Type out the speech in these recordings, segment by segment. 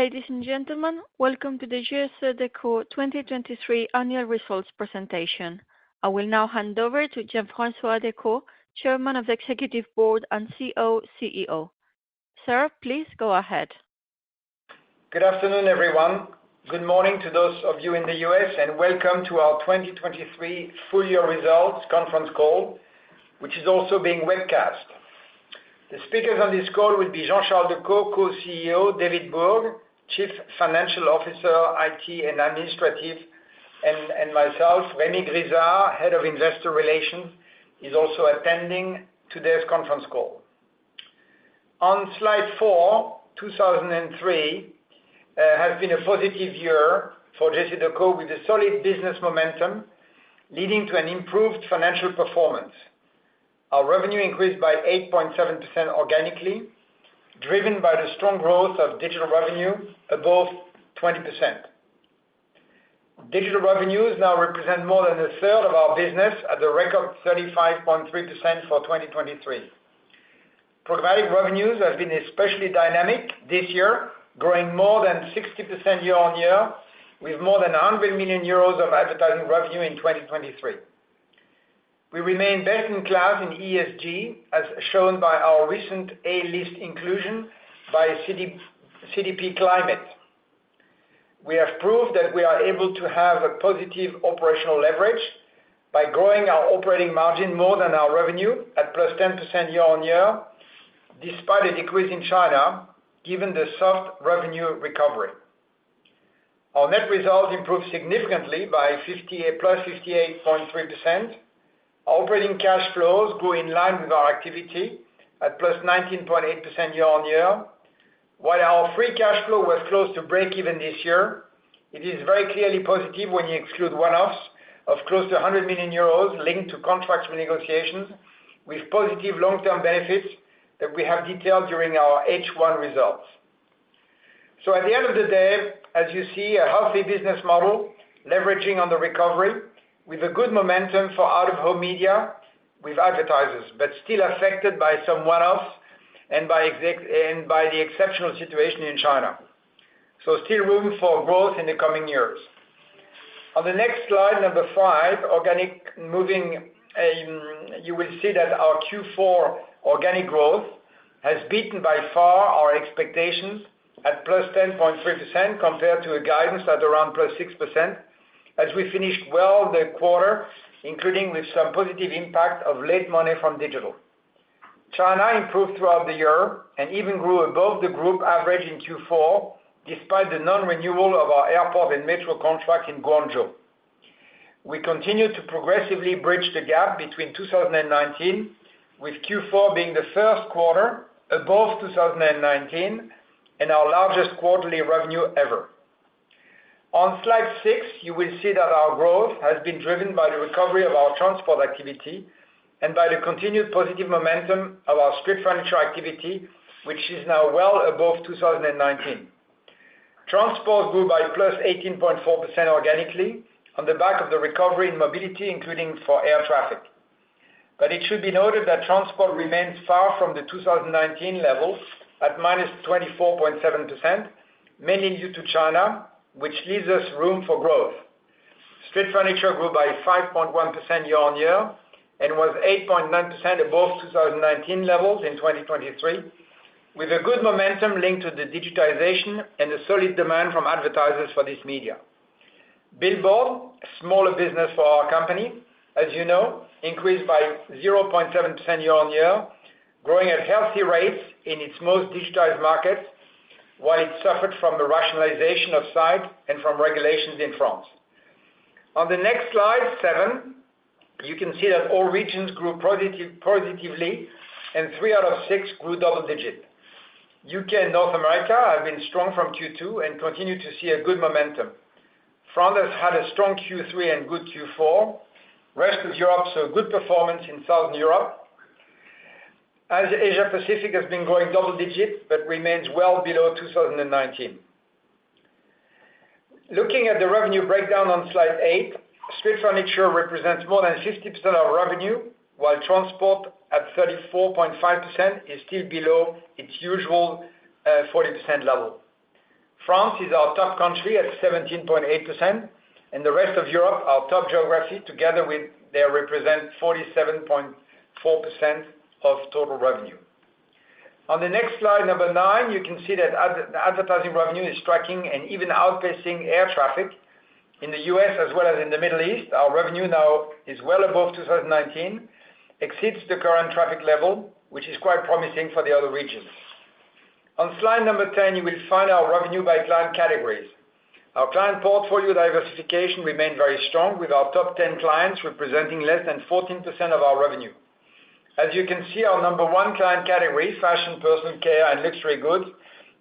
Ladies and gentlemen, welcome to the JCDecaux 2023 annual results presentation. I will now hand over to Jean-François Decaux, Chairman of the Executive Board and Co-CEO. Sir, please go ahead. Good afternoon, everyone. Good morning to those of you in the U.S., and welcome to our 2023 full year results conference call, which is also being webcast. The speakers on this call will be Jean-Charles Decaux, Co-CEO; David Bourg, Chief Financial Officer, IT and Administrative; and myself. Rémi Grisard, Head of Investor Relations, is also attending today's conference call. On Slide 4, 2023 has been a positive year for JCDecaux with a solid business momentum leading to an improved financial performance. Our revenue increased by 8.7% organically, driven by the strong growth of digital revenue above 20%. Digital revenues now represent more than 1/3 of our business at a record 35.3% for 2023. Programmatic revenues have been especially dynamic this year, growing more than 60% year-on-year with more than €100 million of advertising revenue in 2023.We remain best-in-class in ESG, as shown by our recent A List inclusion by CDP Climate. We have proved that we are able to have a positive operational leverage by growing our operating margin more than our revenue at plus 10% year-on-year despite a decrease in China given the soft revenue recovery. Our net results improved significantly by plus 58.3%. Operating cash flows grew in line with our activity at plus 19.8% year-on-year. While our free cash flow was close to breakeven this year, it is very clearly positive when you exclude one-offs of close to €100 million linked to contract renegotiations with positive long-term benefits that we have detailed during our H1 results. So at the end of the day, as you see a healthy business model leveraging on the recovery with a good momentum for out-of-home media with advertisers, but still affected by some one-offs and by the exceptional situation in China. So still room for growth in the coming years. On the next slide, #5, organic moving -- you will see that our Q4 organic growth has beaten by far our expectations at plus 10.3% compared to a guidance at around plus 6% as we finished well the quarter, including with some positive impact of late money from digital. China improved throughout the year and even grew above the Group average in Q4 despite non-renewal of our airport and metro contracts in Guangzhou. We continued to progressively bridge the gap between 2019 with Q4 being the first quarter above 2019 and our largest quarterly revenue ever. On Slide 6, you will see that our growth has been driven by the recovery of our transport activity and by the continued positive momentum of our street furniture activity, which is now well above 2019. Transport grew by plus 18.4% organically on the back of the recovery in mobility, including for air traffic. But it should be noted that transport remains far from the 2019 level at minus 24.7%, mainly due to China, which leaves us room for growth. Street furniture grew by 5.1% year-on-year and was 8.9% above 2019 levels in 2023, with a good momentum linked to the digitization and the solid demand from advertisers for this media. Billboard, a smaller business for our company, as you know, increased by 0.7% year-on-year, growing at healthy rates in its most digitized markets, while it suffered from the rationalization of site and from regulations in France. On the next slide, 7, you can see that all regions grew positively, and 3 out of 6 grew double-digit. UK and North America have been strong from Q2 and continue to see a good momentum. France has had a strong Q3 and good Q4. Rest of Europe saw good performance in Southern Europe, as Asia Pacific has been growing double-digit, but remains well below 2019. Looking at the revenue breakdown on slide 8, street furniture represents more than 60% of revenue, while transport, at 34.5%, is still below its usual, 40% level. France is our top country at 17.8%, and the rest of Europe, our top geography, together with they represent 47.4% of total revenue. On the next slide, number 9, you can see that the advertising revenue is tracking and even outpacing air traffic. In the U.S. as well as in the Middle East, our revenue now is well above 2019, exceeds the current traffic level, which is quite promising for the other regions. On slide number 10, you will find our revenue by client categories. Our client portfolio diversification remained very strong, with our top 10 clients representing less than 14% of our revenue. As you can see, our number one client category, fashion, personal care, and luxury goods,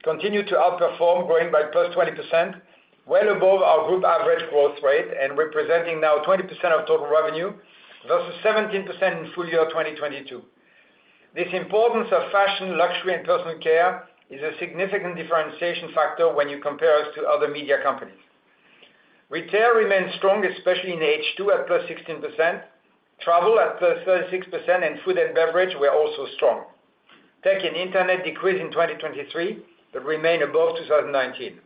continue to outperform, growing by +20%, well above our group average growth rate and representing now 20% of total revenue, versus 17% in full year 2022. This importance of fashion, luxury, and personal care is a significant differentiation factor when you compare us to other media companies.... Retail remained strong, especially in H2, at +16%. Travel at +36%, and food and beverage were also strong. Tech and Internet decreased in 2023, but remained above 2019.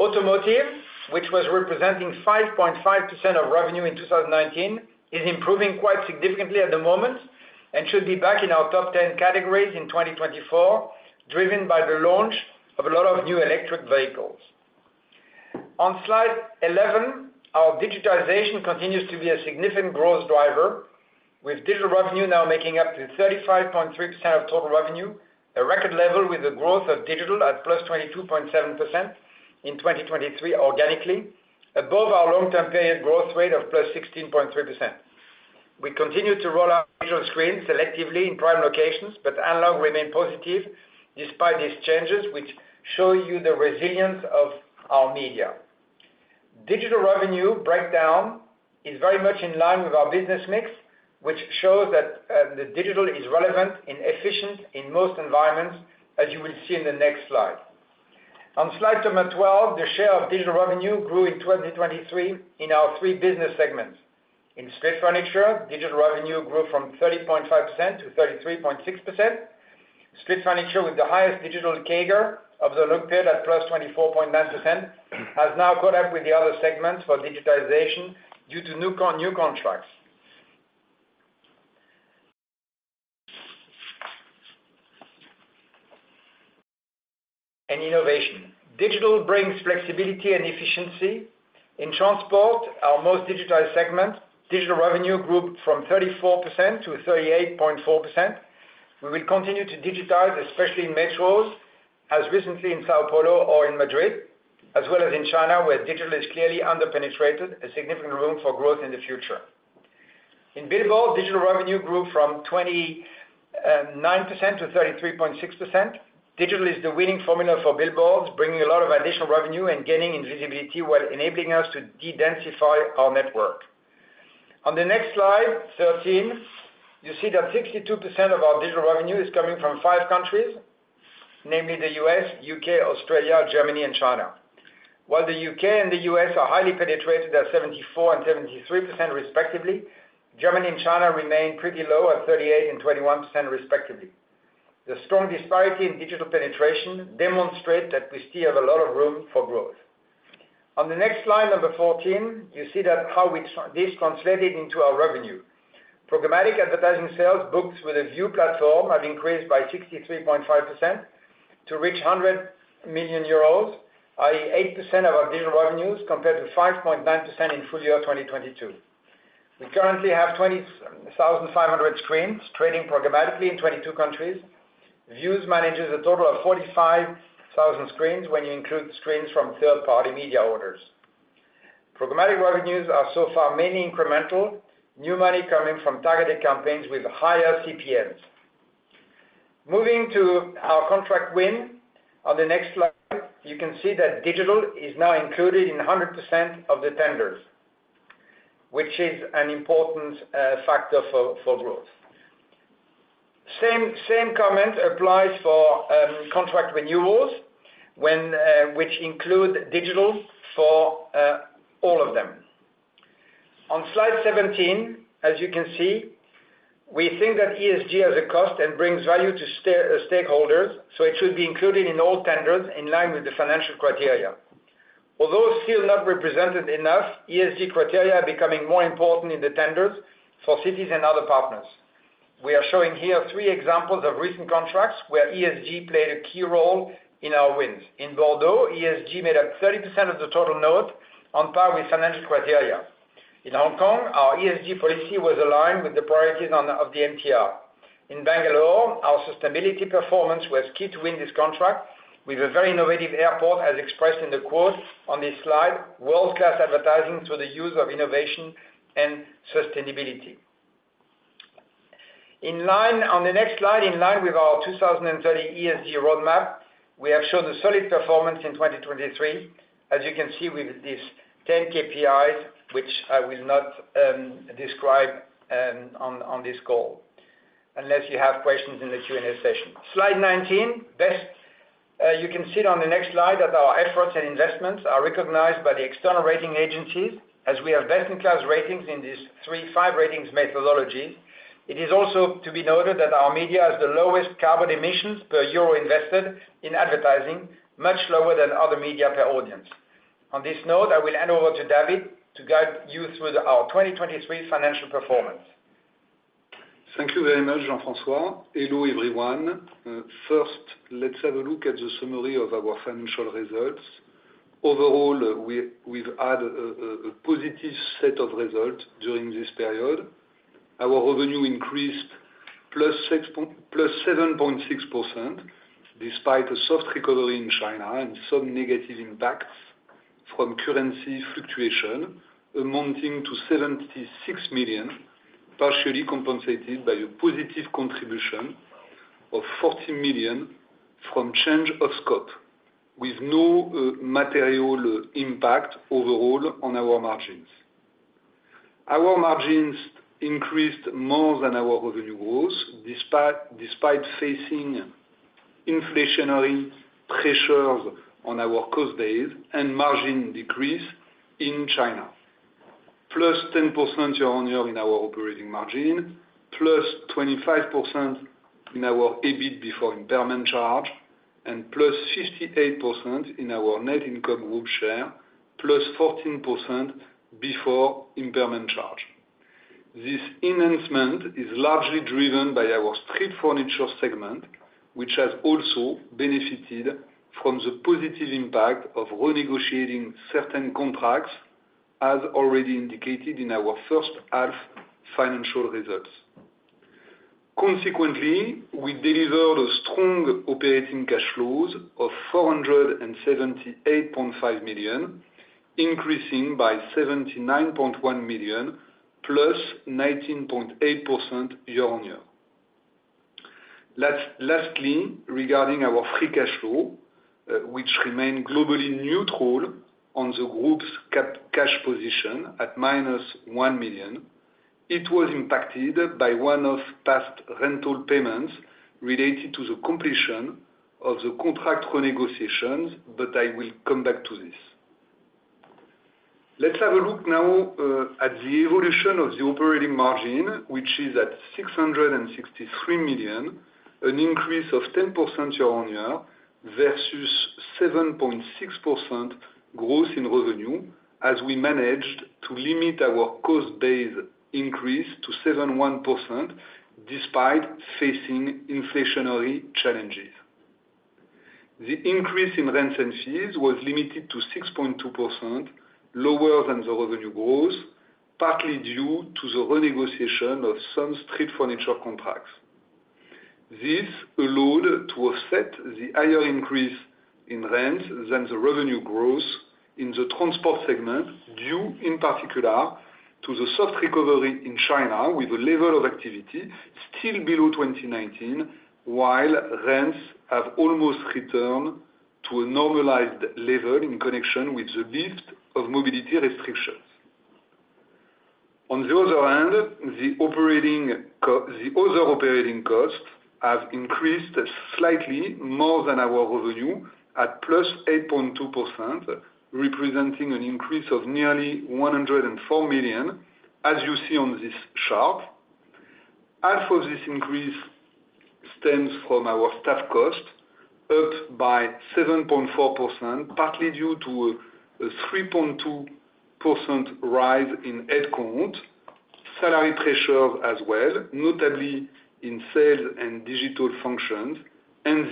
Automotive, which was representing 5.5% of revenue in 2019, is improving quite significantly at the moment, and should be back in our top ten categories in 2024, driven by the launch of a lot of new electric vehicles. On slide 11, our digitization continues to be a significant growth driver, with digital revenue now making up to 35.3% of total revenue, a record level with the growth of digital at +22.7% in 2023 organically, above our long-term period growth rate of +16.3%. We continue to roll out digital screens selectively in prime locations, but analog remain positive despite these changes, which show you the resilience of our media. Digital revenue breakdown is very much in line with our business mix, which shows that, the digital is relevant and efficient in most environments, as you will see in the next slide. On slide 12, the share of digital revenue grew in 2023 in our three business segments. In street furniture, digital revenue grew from 30.5%-33.6%. Street furniture, with the highest digital CAGR of the look-back period at +24.9%, has now caught up with the other segments for digitization due to new contracts. And innovation. Digital brings flexibility and efficiency. In transport, our most digitized segment, digital revenue grew from 34%-38.4%. We will continue to digitize, especially in metros, as recently in São Paulo or in Madrid, as well as in China, where digital is clearly under-penetrated, a significant room for growth in the future. In billboard, digital revenue grew from 29% to 33.6%. Digital is the winning formula for billboards, bringing a lot of additional revenue and gaining in visibility while enabling us to dedensify our network. On the next slide, 13, you see that 62% of our digital revenue is coming from five countries, namely the U.S., U.K., Australia, Germany, and China. While the U.K. and the U.S. are highly penetrated at 74% and 73% respectively, Germany and China remain pretty low at 38% and 21% respectively. The strong disparity in digital penetration demonstrate that we still have a lot of room for growth. On the next slide, number 14, you see how this translated into our revenue. Programmatic advertising sales booked with VIOOH platform have increased by 63.5% to reach 100 million euros, i.e., 8% of our digital revenues, compared to 5.9% in full year 2022. We currently have 20,500 screens trading programmatically in 22 countries. VIOOH manages a total of 45,000 screens when you include screens from third-party media owners. Programmatic revenues are so far mainly incremental, new money coming from targeted campaigns with higher CPMs. Moving to our contract wins, on the next slide, you can see that digital is now included in 100% of the tenders, which is an important factor for growth. Same comment applies for contract renewals, which include digital for all of them. On slide 17, as you can see, we think that ESG has a cost and brings value to stakeholders, so it should be included in all tenders in line with the financial criteria. Although still not represented enough, ESG criteria are becoming more important in the tenders for cities and other partners. We are showing here three examples of recent contracts where ESG played a key role in our wins. In Bordeaux, ESG made up 30% of the total note, on par with financial criteria. In Hong Kong, our ESG policy was aligned with the priorities of the MTR. In Bangalore, our sustainability performance was key to win this contract with a very innovative airport, as expressed in the quote on this slide, "World-class advertising through the use of innovation and sustainability." On the next slide, in line with our 2030 ESG roadmap, we have shown a solid performance in 2023, as you can see with these 10 KPIs, which I will not describe on this call, unless you have questions in the Q&A session. Slide 19. You can see on the next slide that our efforts and investments are recognized by the external rating agencies, as we have best-in-class ratings in these 3-5 ratings methodologies. It is also to be noted that our media has the lowest carbon emissions per euro invested in advertising, much lower than other media per audience. On this note, I will hand over to David to guide you through our 2023 financial performance. Thank you very much, Jean-François. Hello, everyone. First, let's have a look at the summary of our financial results. Overall, we've had a positive set of results during this period. Our revenue increased +7.6%, despite a soft recovery in China and some negative impacts from currency fluctuation, amounting to 76 million, partially compensated by a positive contribution of 40 million from change of scope, with no material impact overall on our margins. Our margins increased more than our revenue growth, despite facing inflationary pressures on our cost base and margin decrease in China. +10% year-on-year in our operating margin, +25% in our EBIT before impairment charge, and +58% in our net income group share, +14% before impairment charge. This enhancement is largely driven by our street furniture segment, which has also benefited from the positive impact of renegotiating certain contracts, as already indicated in our first half financial results. Consequently, we delivered a strong operating cash flows of 478.5 million, increasing by 79.1 million, +19.8% year-on-year. Last, lastly, regarding our free cash flow, which remained globally neutral on the group's cash position at minus 1 million, it was impacted by one-off past rental payments related to the completion of the contract renegotiations, but I will come back to this. Let's have a look now at the evolution of the operating margin, which is at 663 million, an increase of 10% year-on-year, versus 7.6% growth in revenue, as we managed to limit our cost base increase to 7.1%, despite facing inflationary challenges. The increase in rents and fees was limited to 6.2%, lower than the revenue growth, partly due to the renegotiation of some street furniture contracts. This allowed to offset the higher increase in rents than the revenue growth in the transport segment, due in particular to the soft recovery in China, with a level of activity still below 2019, while rents have almost returned to a normalized level in connection with the lift of mobility restrictions. On the other hand, the other operating costs have increased slightly more than our revenue, at +8.2%, representing an increase of nearly 104 million, as you see on this chart. Half of this increase stems from our staff cost, up by 7.4%, partly due to a 3.2% rise in headcount, salary pressure as well, notably in sales and digital functions, and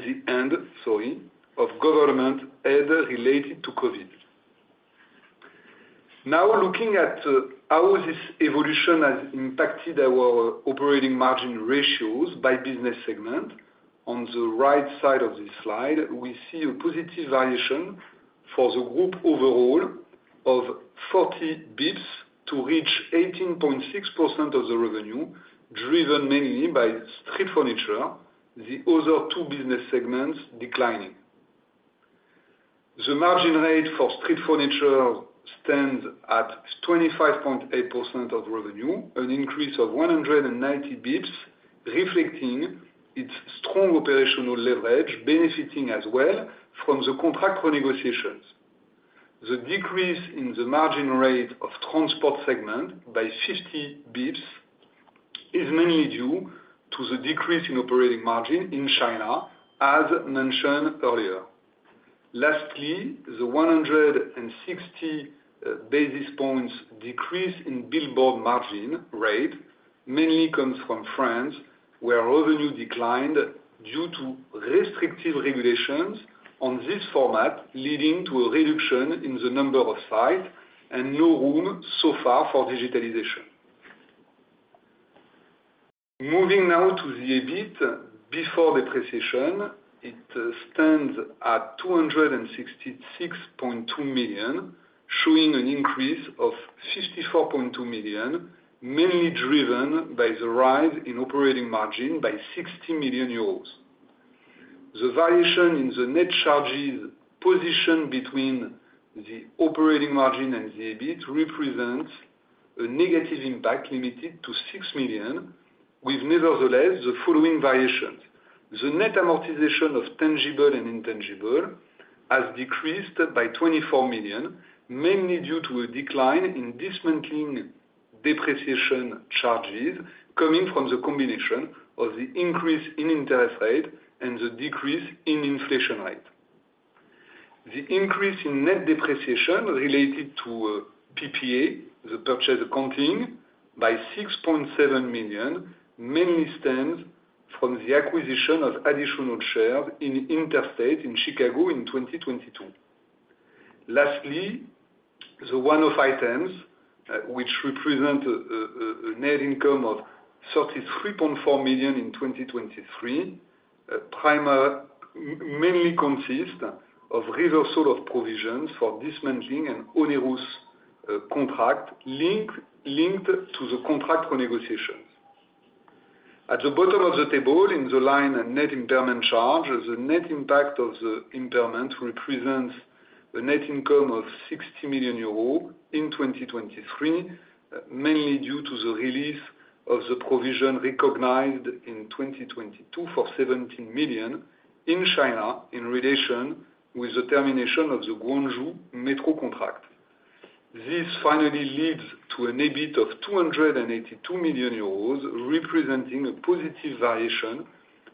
the end, sorry, of government aid related to COVID. Now, looking at how this evolution has impacted our operating margin ratios by business segment. On the right side of this slide, we see a positive variation for the group overall of 40 bps to reach 18.6% of the revenue, driven mainly by street furniture, the other two business segments declining. The margin rate for street furniture stands at 25.8% of revenue, an increase of 190 basis points, reflecting its strong operational leverage, benefiting as well from the contract renegotiations. The decrease in the margin rate of transport segment by 50 basis points is mainly due to the decrease in operating margin in China, as mentioned earlier. Lastly, the 160 basis points decrease in billboard margin rate mainly comes from France, where revenue declined due to restrictive regulations on this format, leading to a reduction in the number of sites and no room so far for digitalization. Moving now to the EBIT before depreciation, it stands at 266.2 million, showing an increase of 64.2 million, mainly driven by the rise in operating margin by 60 million euros. The variation in the net charges position between the operating margin and the EBIT represents a negative impact limited to 6 million, with nevertheless, the following variations. The net amortization of tangible and intangible has decreased by 24 million, mainly due to a decline in dismantling depreciation charges coming from the combination of the increase in interest rate and the decrease in inflation rate. The increase in net depreciation related to PPA, the purchase accounting, by 6.7 million, mainly stems from the acquisition of additional shares in Interstate in Chicago in 2022. Lastly, the one-off items, which represent a net income of 33.4 million in 2023, mainly consist of reversal of provisions for dismantling an onerous contract, linked to the contract renegotiation. At the bottom of the table, in the line net impairment charge, the net impact of the impairment represents a net income of 60 million euros in 2023, mainly due to the release of the provision recognized in 2022 for 17 million in China, in relation with the termination of the Guangzhou Metro contract. This finally leads to an EBIT of 282 million euros, representing a positive variation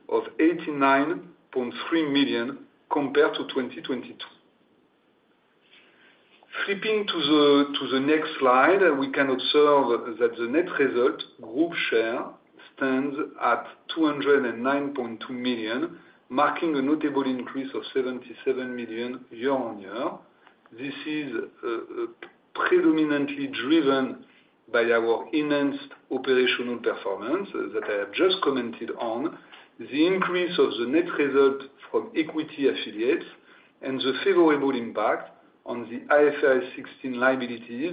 of 89.3 million compared to 2022. Flipping to the next slide, we can observe that the net result group share stands at 209.2 million, marking a notable increase of 77 million year-on-year. This is predominantly driven by our enhanced operational performance that I have just commented on, the increase of the net result from equity affiliates, and the favorable impact on the IFRS 16 liabilities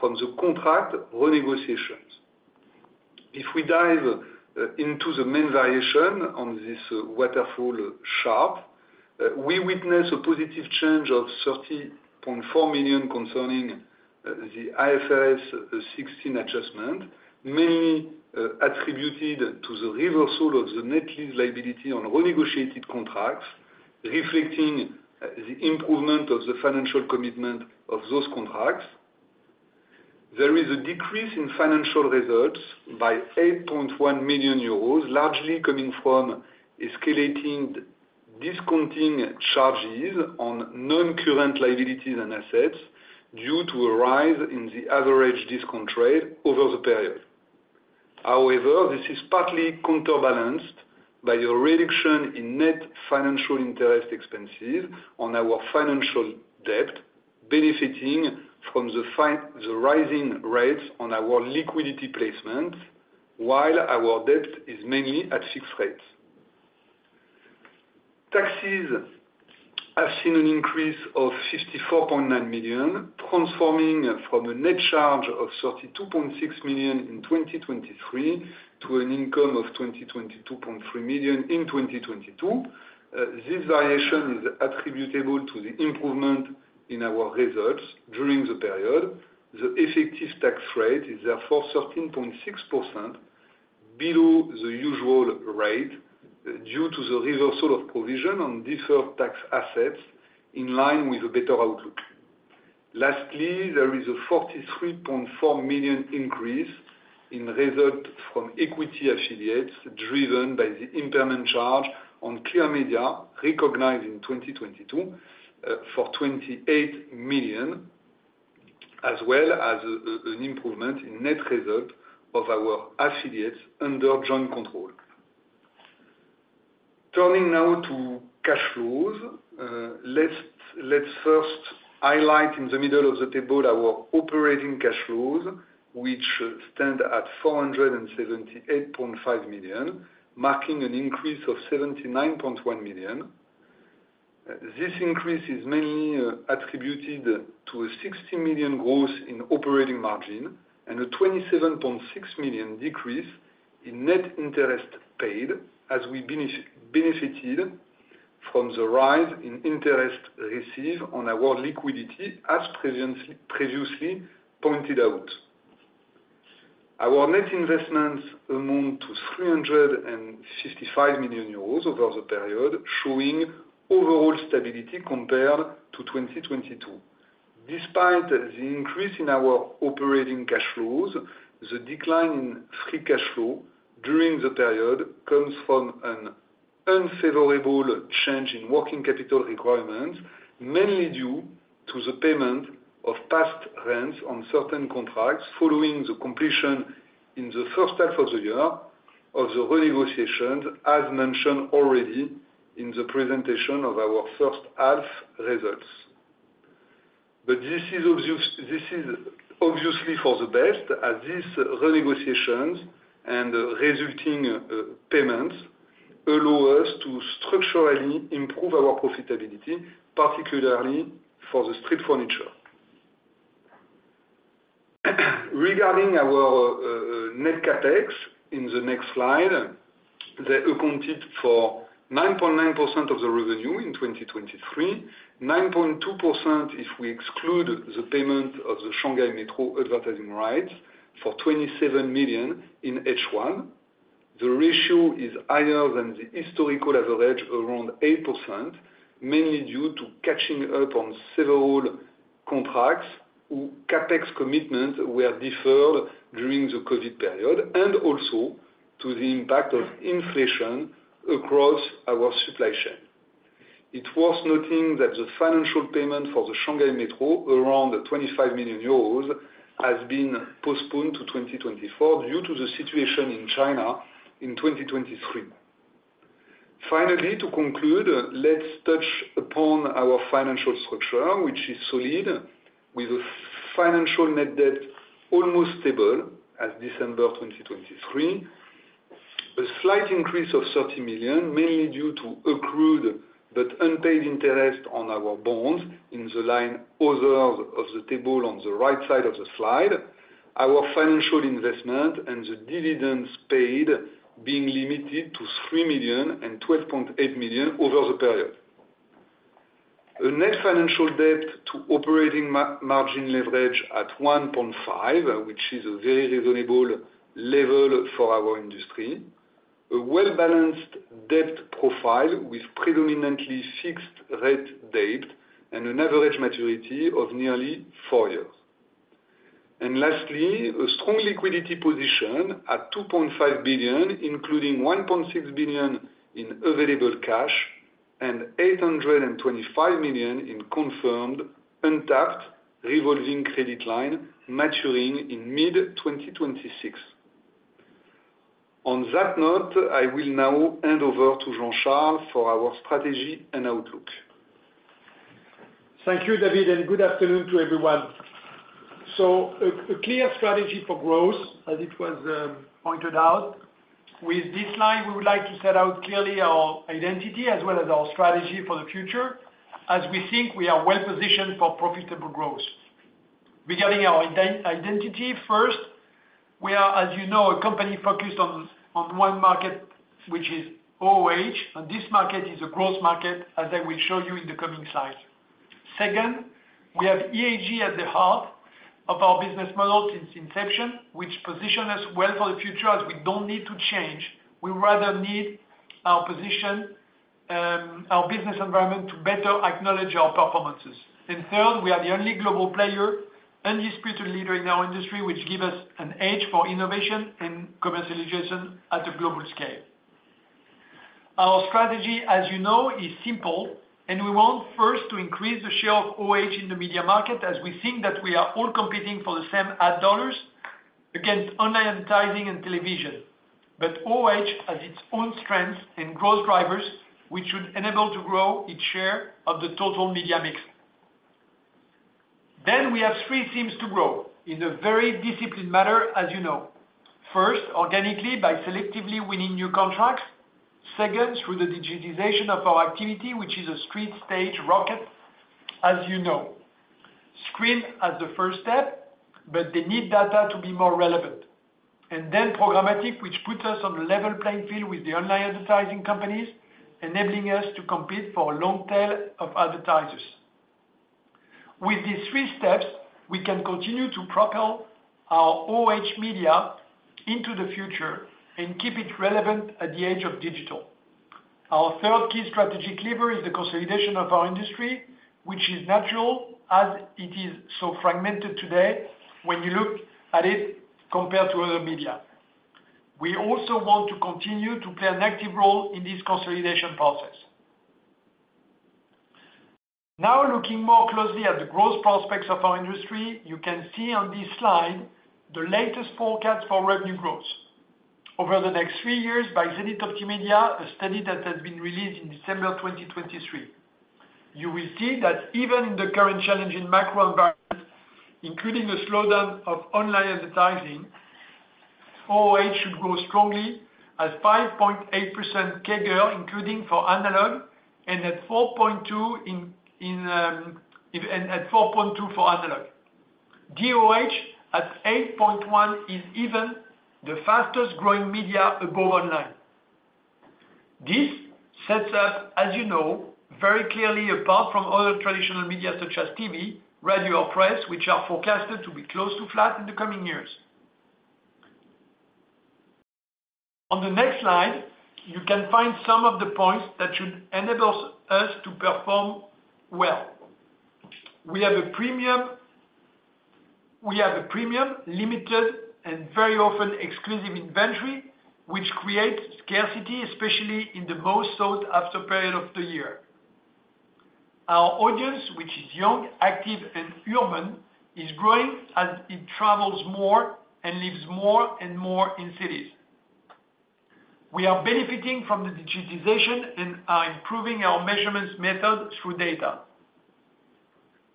from the contract renegotiations. If we dive into the main variation on this waterfall chart, we witness a positive change of 30.4 million concerning the IFRS 16 adjustment, mainly attributed to the reversal of the net lease liability on renegotiated contracts, reflecting the improvement of the financial commitment of those contracts. There is a decrease in financial results by 8.1 million euros, largely coming from escalating discounting charges on non-current liabilities and assets due to a rise in the average discount rate over the period. However, this is partly counterbalanced by a reduction in net financial interest expenses on our financial debt, benefiting from the rising rates on our liquidity placement, while our debt is mainly at fixed rates. Taxes have seen an increase of 64.9 million, transforming from a net charge of 32.6 million in 2023 to an income of 32.3 million in 2022. This variation is attributable to the improvement in our results during the period. The effective tax rate is therefore 13.6%, below the usual rate, due to the reversal of provision on deferred tax assets, in line with a better outlook. Lastly, there is a 43.4 million increase in results from equity affiliates, driven by the impairment charge on Clear Media, recognized in 2022, for 28 million, as well as, an improvement in net result of our affiliates under joint control. Turning now to cash flows. Let's first highlight in the middle of the table our operating cash flows, which stand at 478.5 million, marking an increase of 79.1 million. This increase is mainly attributed to a 60 million growth in operating margin and a 27.6 million decrease in net interest paid, as we benefited from the rise in interest received on our liquidity, as previously pointed out. Our net investments amount to 365 million euros over the period, showing overall stability compared to 2022. Despite the increase in our operating cash flows, the decline in free cash flow during the period comes from an unfavorable change in working capital requirements, mainly due to the payment of past rents on certain contracts following the completion in the first half of the year of the renegotiations, as mentioned already in the presentation of our first half results. But this is obvious, this is obviously for the best, as these renegotiations and resulting payments allow us to structurally improve our profitability, particularly for the street furniture. Regarding our net CapEx in the next slide, they accounted for 9.9% of the revenue in 2023, 9.2% if we exclude the payment of the Shanghai Metro advertising rights for 27 million in H1. The ratio is higher than the historical average, around 8%, mainly due to catching up on several contracts. CapEx commitments were deferred during the COVID period, and also to the impact of inflation across our supply chain. It's worth noting that the financial payment for the Shanghai Metro, around 25 million euros, has been postponed to 2024 due to the situation in China in 2023. Finally, to conclude, let's touch upon our financial structure, which is solid, with a financial net debt almost stable as December 2023. A slight increase of 30 million, mainly due to accrued but unpaid interest on our bonds in the line others of the table on the right side of the slide. Our financial investment and the dividends paid being limited to 3 million and 12.8 million over the period. A net financial debt to operating margin leverage at 1.5, which is a very reasonable level for our industry. A well-balanced debt profile with predominantly fixed rate debt and an average maturity of nearly 4 years. And lastly, a strong liquidity position at 2.5 billion, including 1.6 billion in available cash and 825 million in confirmed untapped revolving credit line maturing in mid-2026. On that note, I will now hand over to Jean-Charles for our strategy and outlook. Thank you, David, and good afternoon to everyone. So a clear strategy for growth, as it was pointed out. With this slide, we would like to set out clearly our identity as well as our strategy for the future, as we think we are well positioned for profitable growth. Regarding our identity first, we are, as you know, a company focused on one market, which is OOH, and this market is a growth market, as I will show you in the coming slides. Second, we have ESG at the heart of our business model since inception, which position us well for the future, as we don't need to change. We rather need our position, our business environment to better acknowledge our performances. Third, we are the only global player and spiritual leader in our industry, which give us an edge for innovation and commercialization at a global scale. Our strategy, as you know, is simple, and we want first to increase the share of OOH in the media market, as we think that we are all competing for the same ad dollars against online advertising and television. But OOH has its own strengths and growth drivers, which should enable to grow its share of the total media mix. Then, we have three themes to grow in a very disciplined manner, as you know. First, organically, by selectively winning new contracts. Second, through the digitization of our activity, which is a street stage rocket, as you know. Screen as the first step, but they need data to be more relevant. Then programmatic, which puts us on a level playing field with the online advertising companies, enabling us to compete for a long tail of advertisers. With these three steps, we can continue to propel our OOH media into the future and keep it relevant at the age of digital. Our third key strategic lever is the consolidation of our industry, which is natural, as it is so fragmented today when you look at it compared to other media. We also want to continue to play an active role in this consolidation process. Now, looking more closely at the growth prospects of our industry, you can see on this slide the latest forecast for revenue growth. Over the next three years, by Zenith, a study that has been released in December 2023. You will see that even in the current challenging macro environment, including a slowdown of online advertising, OOH should grow strongly at 5.8% CAGR, including for analog, and at 4.2% for analog. DOOH, at 8.1%, is even the fastest growing media above online. This sets us, as you know, very clearly apart from other traditional media such as TV, radio, or press, which are forecasted to be close to flat in the coming years. On the next slide, you can find some of the points that should enable us to perform well. We have a premium, limited, and very often exclusive inventory, which creates scarcity, especially in the most sought-after period of the year. Our audience, which is young, active, and urban, is growing as it travels more and lives more and more in cities. We are benefiting from the digitization and are improving our measurements method through data.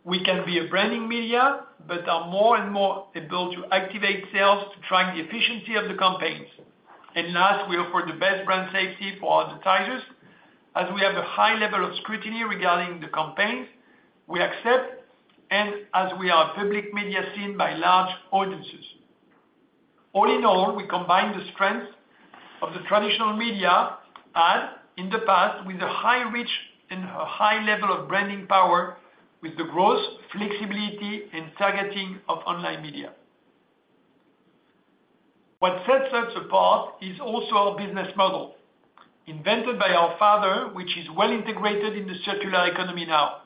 We can be a branding media, but are more and more able to activate sales to track the efficiency of the campaigns. And last, we offer the best brand safety for advertisers, as we have a high level of scrutiny regarding the campaigns we accept, and as we are a public media seen by large audiences. All in all, we combine the strength of the traditional media, as in the past, with a high reach and a high level of branding power, with the growth, flexibility, and targeting of online media. What sets us apart is also our business model, invented by our father, which is well integrated in the circular economy now.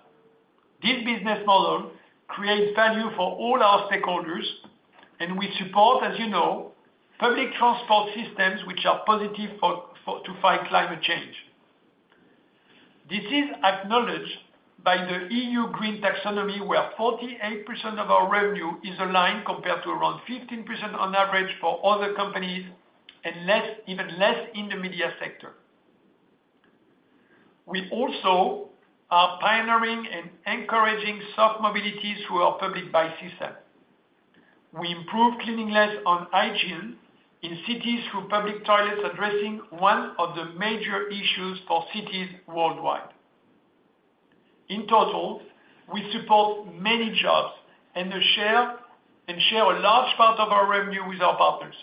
This business model creates value for all our stakeholders, and we support, as you know, public transport systems which are positive for to fight climate change. This is acknowledged by the EU Green Taxonomy, where 48% of our revenue is aligned, compared to around 15% on average for other companies, and less, even less in the media sector. We also are pioneering and encouraging soft mobility through our public bike system. We improve cleanliness and hygiene in cities through public toilets, addressing one of the major issues for cities worldwide. In total, we support many jobs and the share, and share a large part of our revenue with our partners.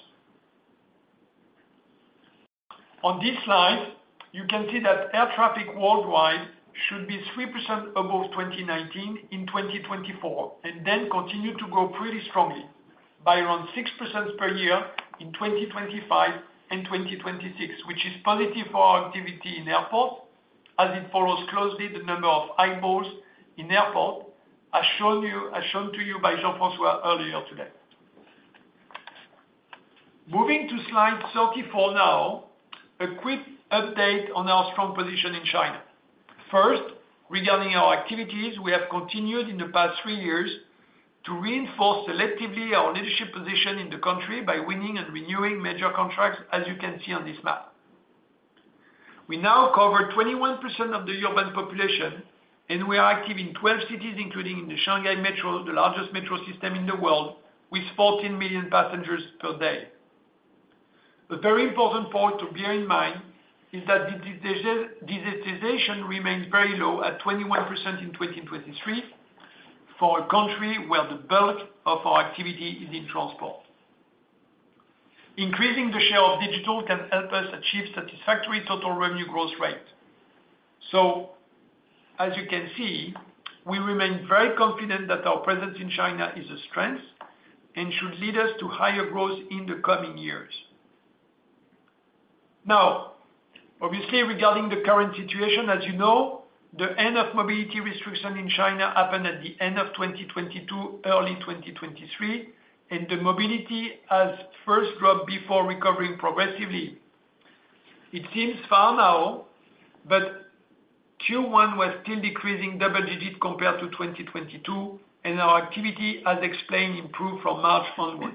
On this slide, you can see that air traffic worldwide should be 3% above 2019 in 2024, and then continue to grow pretty strongly by around 6% per year in 2025 and 2026, which is positive for our activity in airport, as it follows closely the number of eyeballs in airport, as shown to you by Jean-François earlier today. Moving to slide 34 now, a quick update on our strong position in China. First, regarding our activities, we have continued in the past three years to reinforce selectively our leadership position in the country by winning and renewing major contracts, as you can see on this map. We now cover 21% of the urban population, and we are active in 12 cities, including in the Shanghai Metro, the largest metro system in the world, with 14 million passengers per day. A very important point to bear in mind is that digitization remains very low at 21% in 2023 for a country where the bulk of our activity is in transport. Increasing the share of digital can help us achieve satisfactory total revenue growth rate. So as you can see, we remain very confident that our presence in China is a strength and should lead us to higher growth in the coming years. Now, obviously, regarding the current situation, as you know, the end of mobility restriction in China happened at the end of 2022, early 2023, and the mobility has first dropped before recovering progressively. It seems far now, but Q1 was still decreasing double-digit compared to 2022, and our activity, as explained, improved from March onward.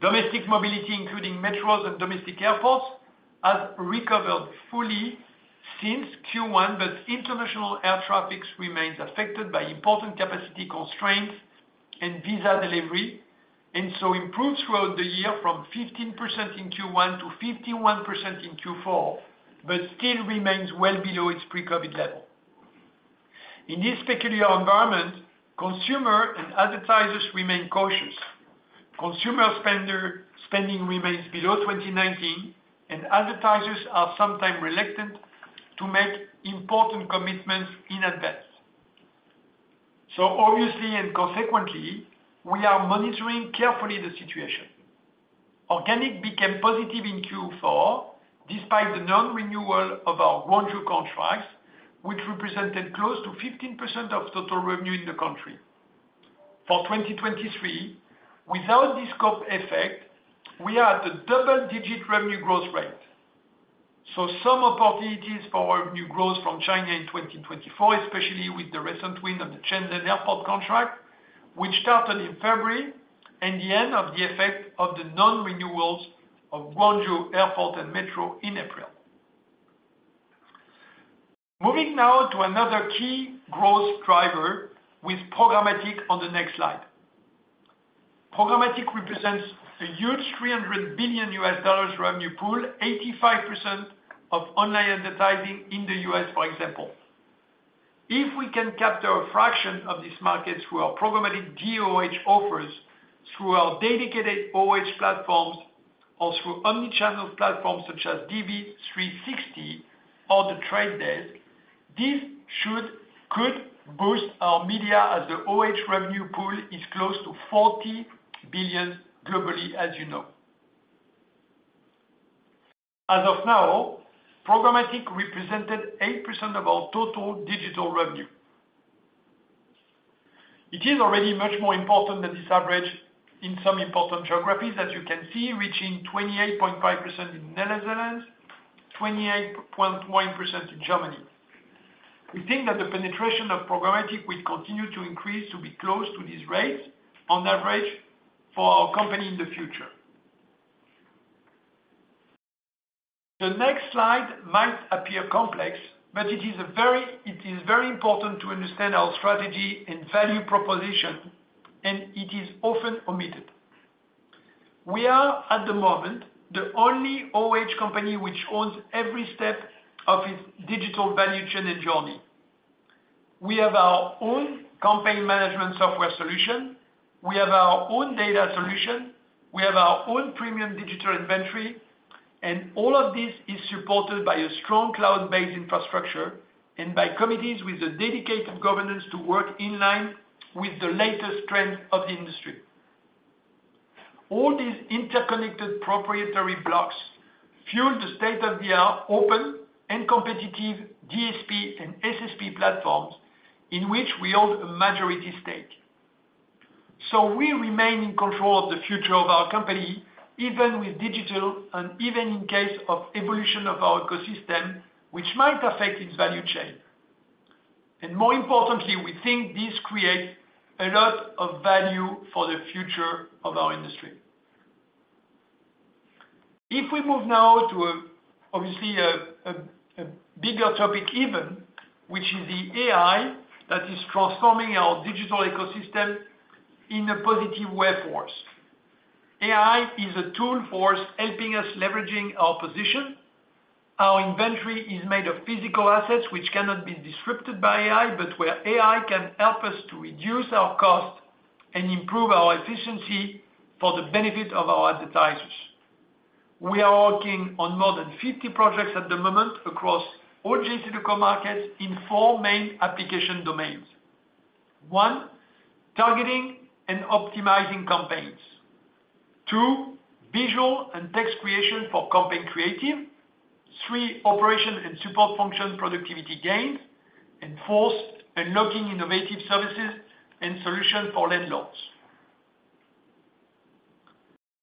Domestic mobility, including metros and domestic airports, has recovered fully since Q1, but international air traffic remains affected by important capacity constraints and visa delivery, and so improved throughout the year from 15% in Q1 to 51% in Q4, but still remains well below its pre-COVID level. In this particular environment, consumers and advertisers remain cautious. Consumer spending remains below 2019, and advertisers are sometimes reluctant to make important commitments in advance. Obviously and consequently, we are monitoring carefully the situation. Organic became positive in Q4, despite the non-renewal of our Guangzhou contracts, which represented close to 15% of total revenue in the country. For 2023, without this scope effect, we are at a double-digit revenue growth rate. Some opportunities for our new growth from China in 2024, especially with the recent win of the Shenzhen Airport contract, which started in February, and the end of the effect of the non-renewals of Guangzhou Airport and Metro in April. Moving now to another key growth driver with programmatic on the next slide. Programmatic represents a huge $300 billion revenue pool, 85% of online advertising in the US, for example. If we can capture a fraction of this market through our programmatic DOOH offers, through our dedicated OOH platforms, or through omni-channel platforms such as DV360 or The Trade Desk, this should, could boost our media, as the OOH revenue pool is close to $40 billion globally, as you know. As of now, programmatic represented 8% of our total digital revenue. It is already much more important than this average in some important geographies, as you can see, reaching 28.5% in Netherlands, 28.1% in Germany. We think that the penetration of programmatic will continue to increase to be close to these rates on average for our company in the future. The next slide might appear complex, but it is very important to understand our strategy and value proposition, and it is often omitted. We are, at the moment, the only OH company which owns every step of its digital value chain and journey. We have our own campaign management software solution, we have our own data solution, we have our own premium digital inventory, and all of this is supported by a strong cloud-based infrastructure and by committees with a dedicated governance to work in line with the latest trends of the industry. All these interconnected proprietary blocks fuel the state-of-the-art, open and competitive DSP and SSP platforms, in which we own a majority stake. So we remain in control of the future of our company, even with digital and even in case of evolution of our ecosystem, which might affect its value chain. More importantly, we think this creates a lot of value for the future of our industry. If we move now to, obviously, a bigger topic even, which is the AI that is transforming our digital ecosystem in a positive way for us. AI is a tool for us, helping us leveraging our position. Our inventory is made of physical assets which cannot be disrupted by AI, but where AI can help us to reduce our cost and improve our efficiency for the benefit of our advertisers. We are working on more than 50 projects at the moment across all JCDecaux markets in four main application domains. One, targeting and optimizing campaigns. Two, visual and text creation for campaign creative. Three, operation and support function productivity gains. And fourth, unlocking innovative services and solution for landlords.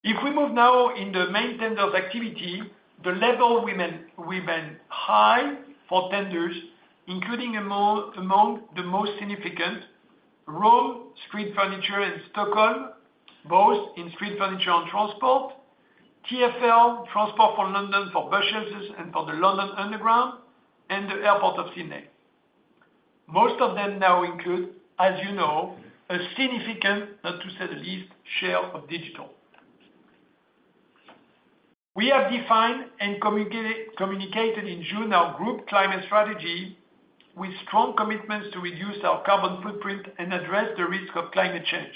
If we move now in the main tenders activity, the level remains high for tenders, including among the most significant, Rome street furniture and Stockholm, both in street furniture and transport, TfL, Transport for London for bus shelters and for the London Underground, and the Airport of Sydney. Most of them now include, as you know, a significant, not to say the least, share of digital. We have defined and communicated in June our group climate strategy with strong commitments to reduce our carbon footprint and address the risk of climate change.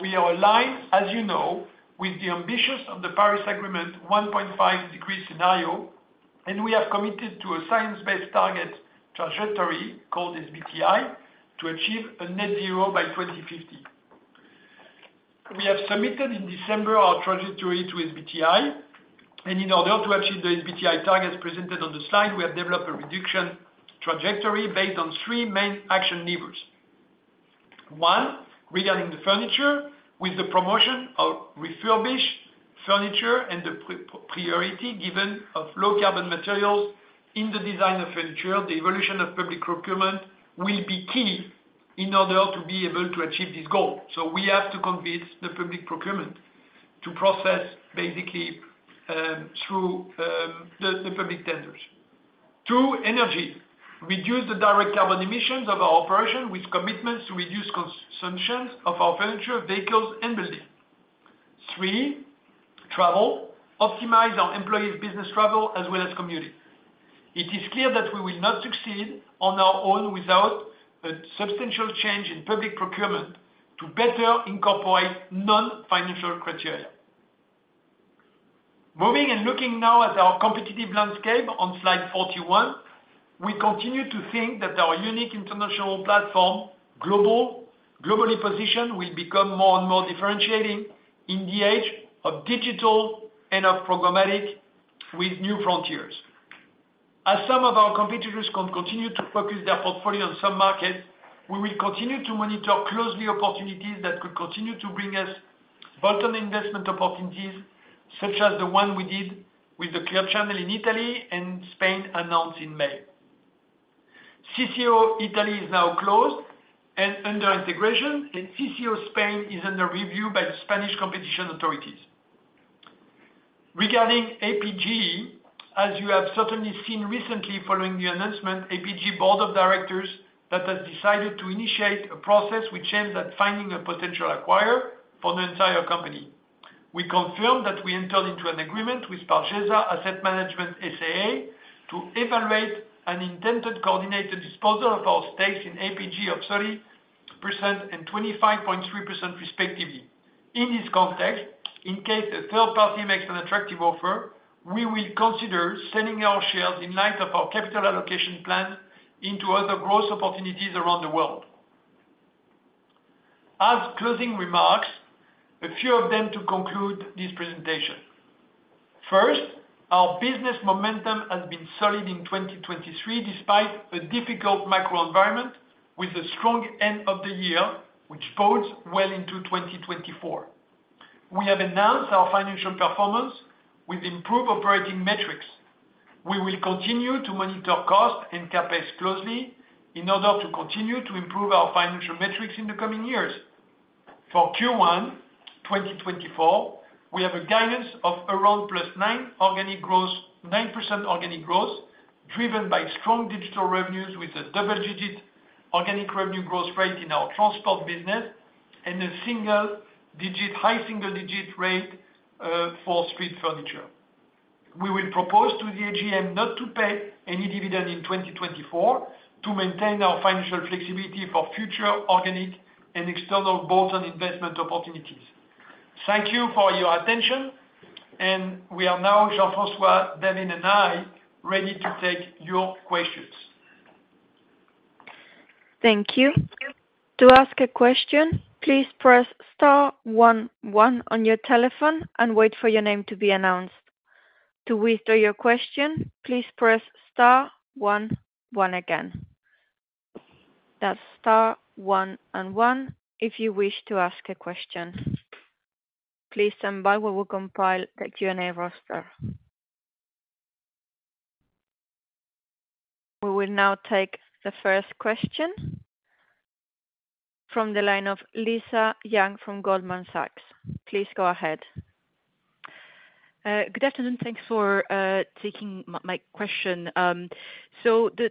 We are aligned, as you know, with the ambitions of the Paris Agreement, 1.5 degree scenario, and we have committed to a science-based target trajectory, called SBTi, to achieve a net zero by 2050. We have submitted in December our trajectory to SBTi, and in order to achieve the SBTi targets presented on the slide, we have developed a reduction trajectory based on three main action levers. One, regarding the furniture, with the promotion of refurbished furniture and the priority given of low carbon materials in the design of furniture, the evolution of public procurement will be key in order to be able to achieve this goal. So we have to convince the public procurement to process basically through the public tenders. Two, energy. Reduce the direct carbon emissions of our operation with commitments to reduce consumptions of our furniture, vehicles, and buildings. Three, travel. Optimize our employees business travel as well as community. It is clear that we will not succeed on our own without a substantial change in public procurement to better incorporate non-financial criteria. Moving and looking now at our competitive landscape on slide 41, we continue to think that our unique international platform, globally positioned, will become more and more differentiating in the age of digital and of programmatic with new frontiers. As some of our competitors continue to focus their portfolio on some markets, we will continue to monitor closely opportunities that could continue to bring us bottom investment opportunities, such as the one we did with the Clear Channel in Italy and Spain, announced in May. CCO Italy is now closed and under integration, and CCO Spain is under review by the Spanish competition authorities. Regarding APG, as you have certainly seen recently following the announcement, APG Board of Directors that has decided to initiate a process which aims at finding a potential acquirer for the entire company. We confirm that we entered into an agreement with Pargesa Asset Management S.A. to evaluate an intended coordinated disposal of our stakes in APG of 30% and 25.3% respectively. In this context, in case a third party makes an attractive offer, we will consider selling our shares in light of our capital allocation plan into other growth opportunities around the world. As closing remarks, a few of them to conclude this presentation. First, our business momentum has been solid in 2023, despite a difficult macro environment with a strong end of the year, which bodes well into 2024. We have enhanced our financial performance with improved operating metrics. We will continue to monitor costs and CapEx closely in order to continue to improve our financial metrics in the coming years. For Q1 2024, we have a guidance of around +9 organic growth—9% organic growth, driven by strong digital revenues with a double-digit organic revenue growth rate in our transport business, and a single-digit, high single-digit rate for street furniture. We will propose to the AGM not to pay any dividend in 2024, to maintain our financial flexibility for future organic and external bolt-on investment opportunities. Thank you for your attention, and we are now, Jean-François, David, and I, ready to take your questions. Thank you. To ask a question, please press star one one on your telephone and wait for your name to be announced. To withdraw your question, please press star one one again. That's star one and one, if you wish to ask a question. Please stand by, we will compile the Q&A roster. We will now take the first question from the line of Lisa Yang from Goldman Sachs. Please go ahead. Good afternoon. Thanks for taking my question.... So the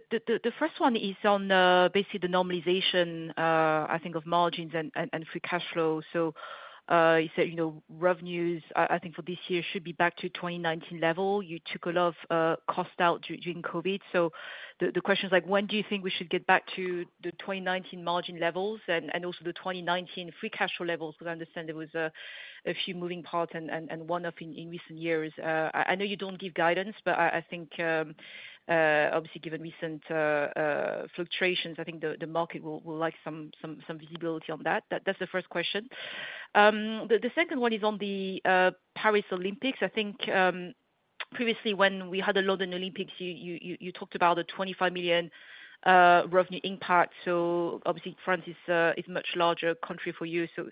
first one is on basically the normalization, I think of margins and free cash flow. So, you said, you know, revenues, I think for this year should be back to 2019 level. You took a lot of cost out during COVID. So the question is like, when do you think we should get back to the 2019 margin levels and also the 2019 free cash flow levels? Because I understand there was a few moving parts and one of them in recent years. I know you don't give guidance, but I think, obviously, given recent fluctuations, I think the market will like some visibility on that. That's the first question. The second one is on the Paris Olympics. I think, previously when we had the London Olympics, you talked about a 25 million revenue impact. So obviously France is much larger country for you. So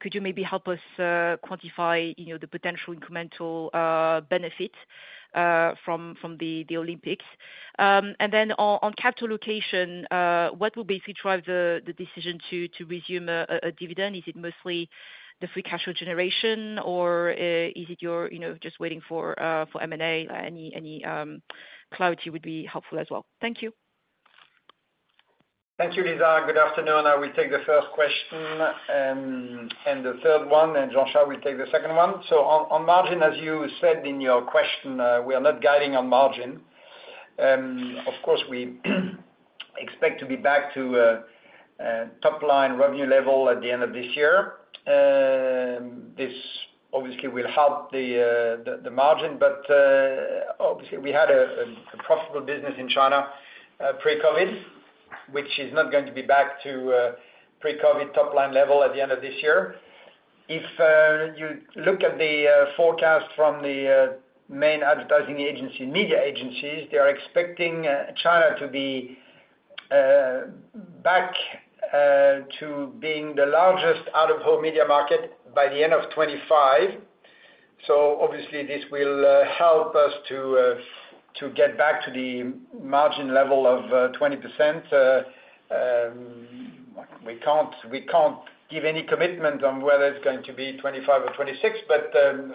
could you maybe help us quantify, you know, the potential incremental benefit from the Olympics? And then on capital allocation, what will basically drive the decision to resume a dividend? Is it mostly the free cash flow generation, or is it your, you know, just waiting for M&A? Any clarity would be helpful as well. Thank you. Thank you, Lisa. Good afternoon. I will take the first question, and the third one, and Jean-Charles will take the second one. So on margin, as you said in your question, we are not guiding on margin. Of course, we expect to be back to top line revenue level at the end of this year. This obviously will help the margin, but obviously we had a profitable business in China pre-COVID, which is not going to be back to pre-COVID top line level at the end of this year. If you look at the forecast from the main advertising agency, media agencies, they are expecting China to be back to being the largest out-of-home media market by the end of 2025. So obviously this will help us to get back to the margin level of 20%. We can't, we can't give any commitment on whether it's going to be 2025 or 2026, but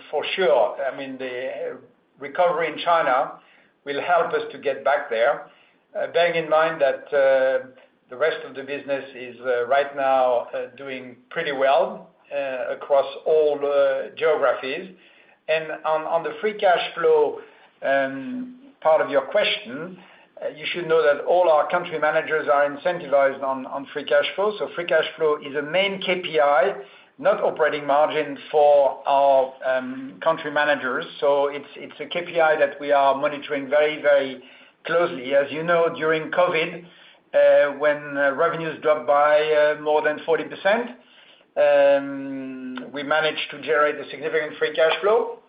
for sure, I mean, the recovery in China will help us to get back there. Bearing in mind that the rest of the business is right now doing pretty well across all geographies. And on the free cash flow part of your question, you should know that all our country managers are incentivized on free cash flow. So free cash flow is a main KPI, not operating margin for our country managers. So it's a KPI that we are monitoring very, very closely. As you know, during COVID, when revenues dropped by more than 40%, we managed to generate a significant free cash flow.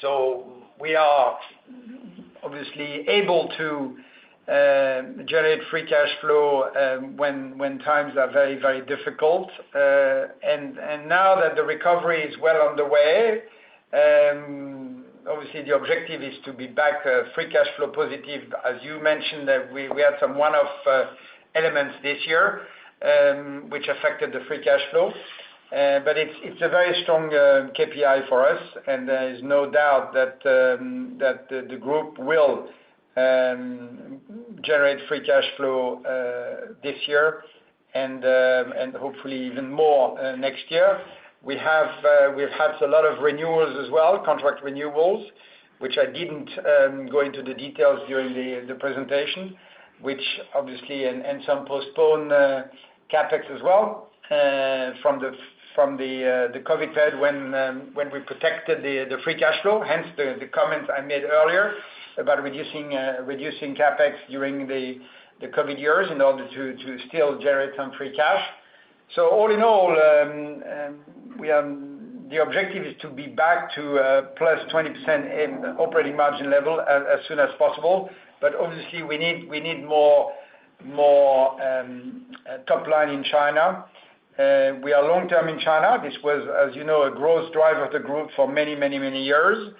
So we are obviously able to generate free cash flow when times are very, very difficult. And now that the recovery is well on the way, obviously the objective is to be back free cash flow positive. As you mentioned, we had some one-off elements this year, which affected the free cash flow. But it's a very strong KPI for us, and there is no doubt that the group will generate free cash flow this year and hopefully even more next year. We have, we've had a lot of renewals as well, contract renewals, which I didn't go into the details during the presentation, which obviously... and some postponed CapEx as well, from the COVID period when we protected the free cash flow. Hence, the comments I made earlier about reducing CapEx during the COVID years in order to still generate some free cash. So all in all, the objective is to be back to +20% in operating margin level as soon as possible. But obviously we need more top line in China. We are long-term in China. This was, as you know, a growth driver of the group for many, many, many years.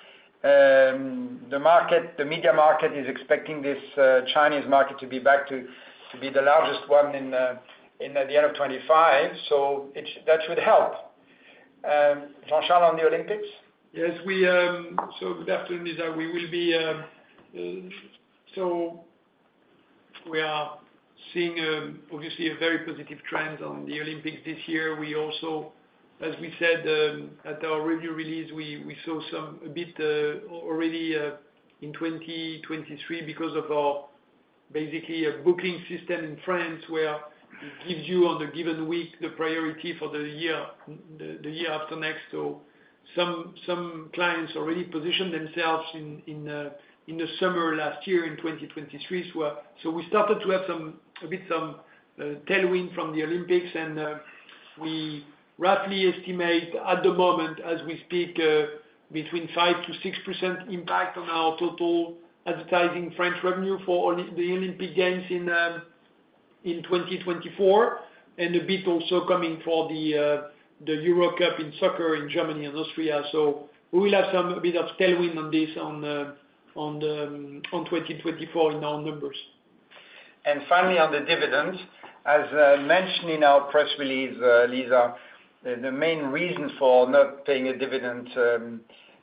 The market, the media market is expecting this Chinese market to be back to the largest one in the end of 2025. So that should help. Jean-Charles, on the Olympics? Yes, we. So good afternoon, Lisa. We will be, so we are seeing, obviously a very positive trend on the Olympics this year. We also, as we said, at our review release, we, we saw some, a bit, already, in 2023 because of our basically a booking system in France, where it gives you on the given week, the priority for the year, the, the year after next. So some, some clients already positioned themselves in, in, in the summer, last year in 2023. We started to have some, a bit, some tailwind from the Olympics, and we roughly estimate at the moment, as we speak, between 5%-6% impact on our total advertising French revenue for the Olympic Games in 2024, and a bit also coming for the Euro Cup in soccer in Germany and Austria. So we will have some bit of tailwind on this, on 2024 in our numbers. ... And finally, on the dividend, as mentioned in our press release, Lisa, the main reason for not paying a dividend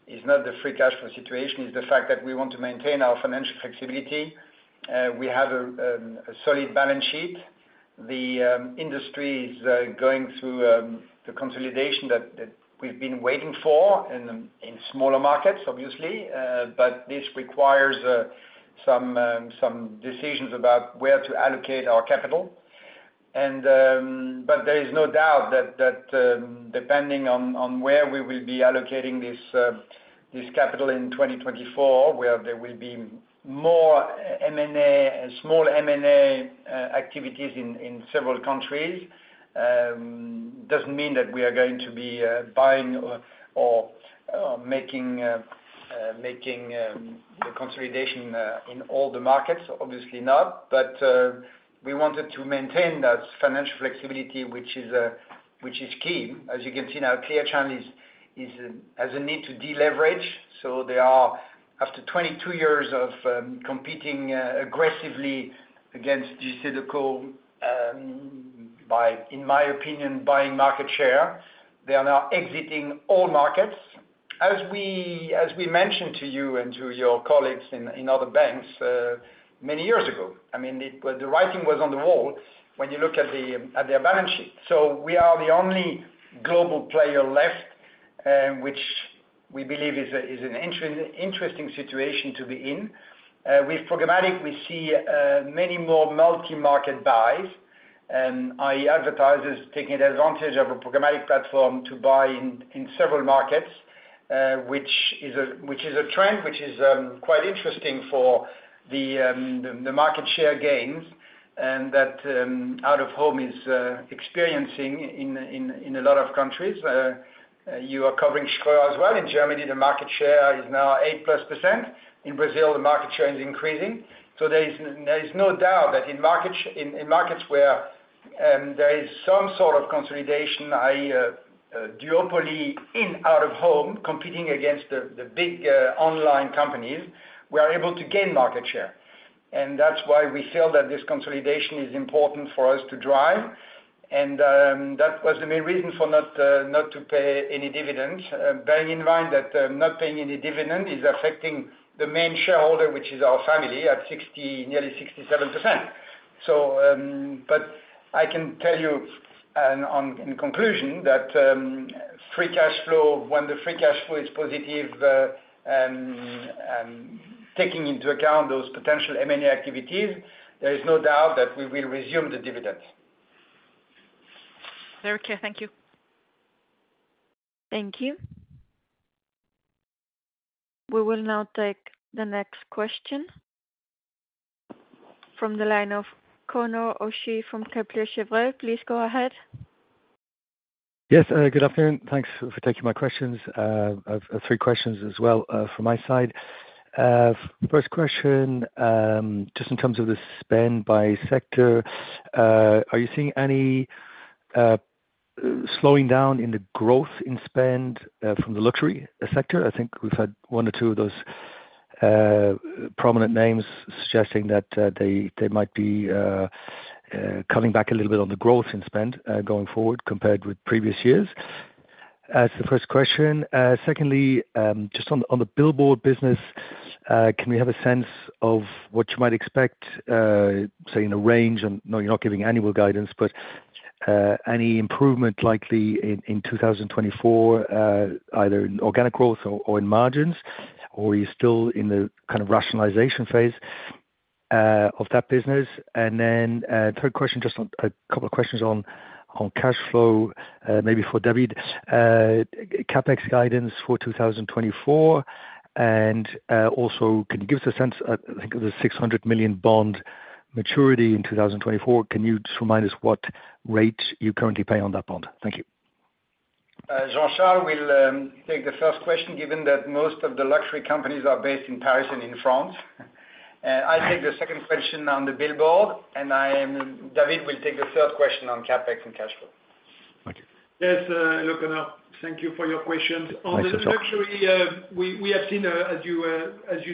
is not the free cash flow situation, is the fact that we want to maintain our financial flexibility. We have a solid balance sheet. The industry is going through the consolidation that we've been waiting for in smaller markets, obviously. But this requires some decisions about where to allocate our capital. But there is no doubt that, depending on where we will be allocating this capital in 2024, where there will be more M&A, small M&A activities in several countries, doesn't mean that we are going to be buying or making the consolidation in all the markets, obviously not. But we wanted to maintain that financial flexibility, which is key. As you can see now, Clear Channel has a need to deleverage, so they are after 22 years of competing aggressively against JCDecaux, by, in my opinion, buying market share, they are now exiting all markets. As we mentioned to you and to your colleagues in other banks many years ago, I mean, the writing was on the wall when you look at their balance sheet. So we are the only global player left, which we believe is an interesting situation to be in. With programmatic, we see many more multi-market buys, i.e., advertisers taking advantage of a programmatic platform to buy in several markets, which is a trend which is quite interesting for the market share gains, and that out-of-home is experiencing in a lot of countries. You are covering Ströer as well. In Germany, the market share is now 8%+. In Brazil, the market share is increasing. So there is no doubt that in markets where there is some sort of consolidation, i.e., duopoly in out-of-home, competing against the big online companies, we are able to gain market share. And that's why we feel that this consolidation is important for us to drive. And that was the main reason for not to pay any dividends. Bearing in mind that not paying any dividend is affecting the main shareholder, which is our family, at 60, nearly 67%. So but I can tell you, and in conclusion, that free cash flow, when the free cash flow is positive, taking into account those potential M&A activities, there is no doubt that we will resume the dividends. Very clear. Thank you. Thank you. We will now take the next question from the line of Conor O'Shea from Kepler Cheuvreux. Please go ahead. Yes, good afternoon. Thanks for taking my questions. I've three questions as well, from my side. First question, just in terms of the spend by sector, are you seeing any slowing down in the growth in spend, from the luxury sector? I think we've had one or two of those prominent names suggesting that, they might be cutting back a little bit on the growth in spend, going forward compared with previous years. That's the first question. Secondly, just on the billboard business, can we have a sense of what you might expect, say, in a range? I know you're not giving annual guidance, but any improvement likely in 2024, either in organic growth or in margins, or are you still in the kind of rationalization phase of that business? And then, third question, just on a couple of questions on cash flow, maybe for David. CapEx guidance for 2024, and also, can you give us a sense, I think the 600 million bond maturity in 2024, can you just remind us what rate you currently pay on that bond? Thank you. Jean-Charles will take the first question, given that most of the luxury companies are based in Paris and in France. I take the second question on the billboard, and David will take the third question on CapEx and cash flow. Thank you. Yes, hello, Conor. Thank you for your questions. Thanks as well. On the luxury, we have seen, as you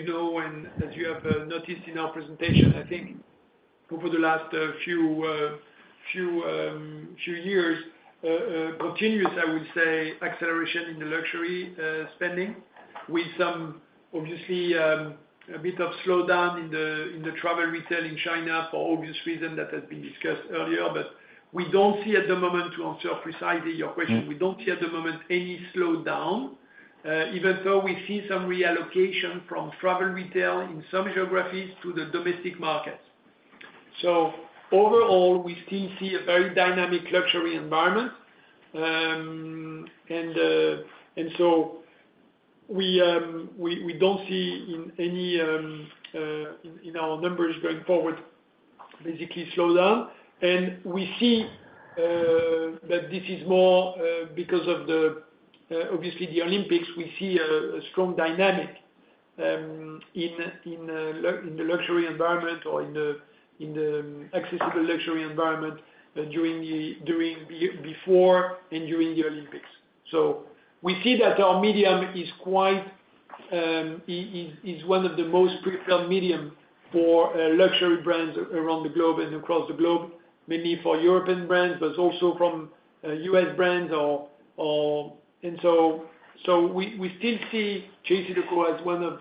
know, and as you have noticed in our presentation, I think over the last few years continuous, I would say, acceleration in the luxury spending, with some obviously a bit of slowdown in the travel retail in China for obvious reasons that have been discussed earlier. But we don't see at the moment, to answer precisely your question, we don't see at the moment any slowdown, even though we see some reallocation from travel retail in some geographies to the domestic market. So overall, we still see a very dynamic luxury environment. And so we don't see any slowdown in our numbers going forward, basically. We see that this is more because of obviously the Olympics. We see a strong dynamic in the luxury environment or in the accessible luxury environment during before and during the Olympics. So we see that our medium is one of the most preferred medium for luxury brands around the globe and across the globe, mainly for European brands, but also from US brands and so we still see JCDecaux as one of,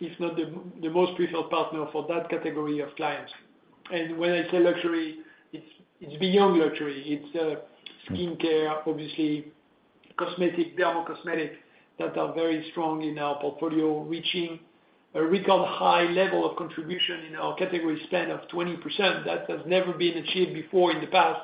if not the most preferred partner for that category of clients. And when I say luxury, it's beyond luxury. It's skincare, obviously cosmetic, dermacosmetic, that are very strong in our portfolio, reaching a record high level of contribution in our category spend of 20%. That has never been achieved before in the past,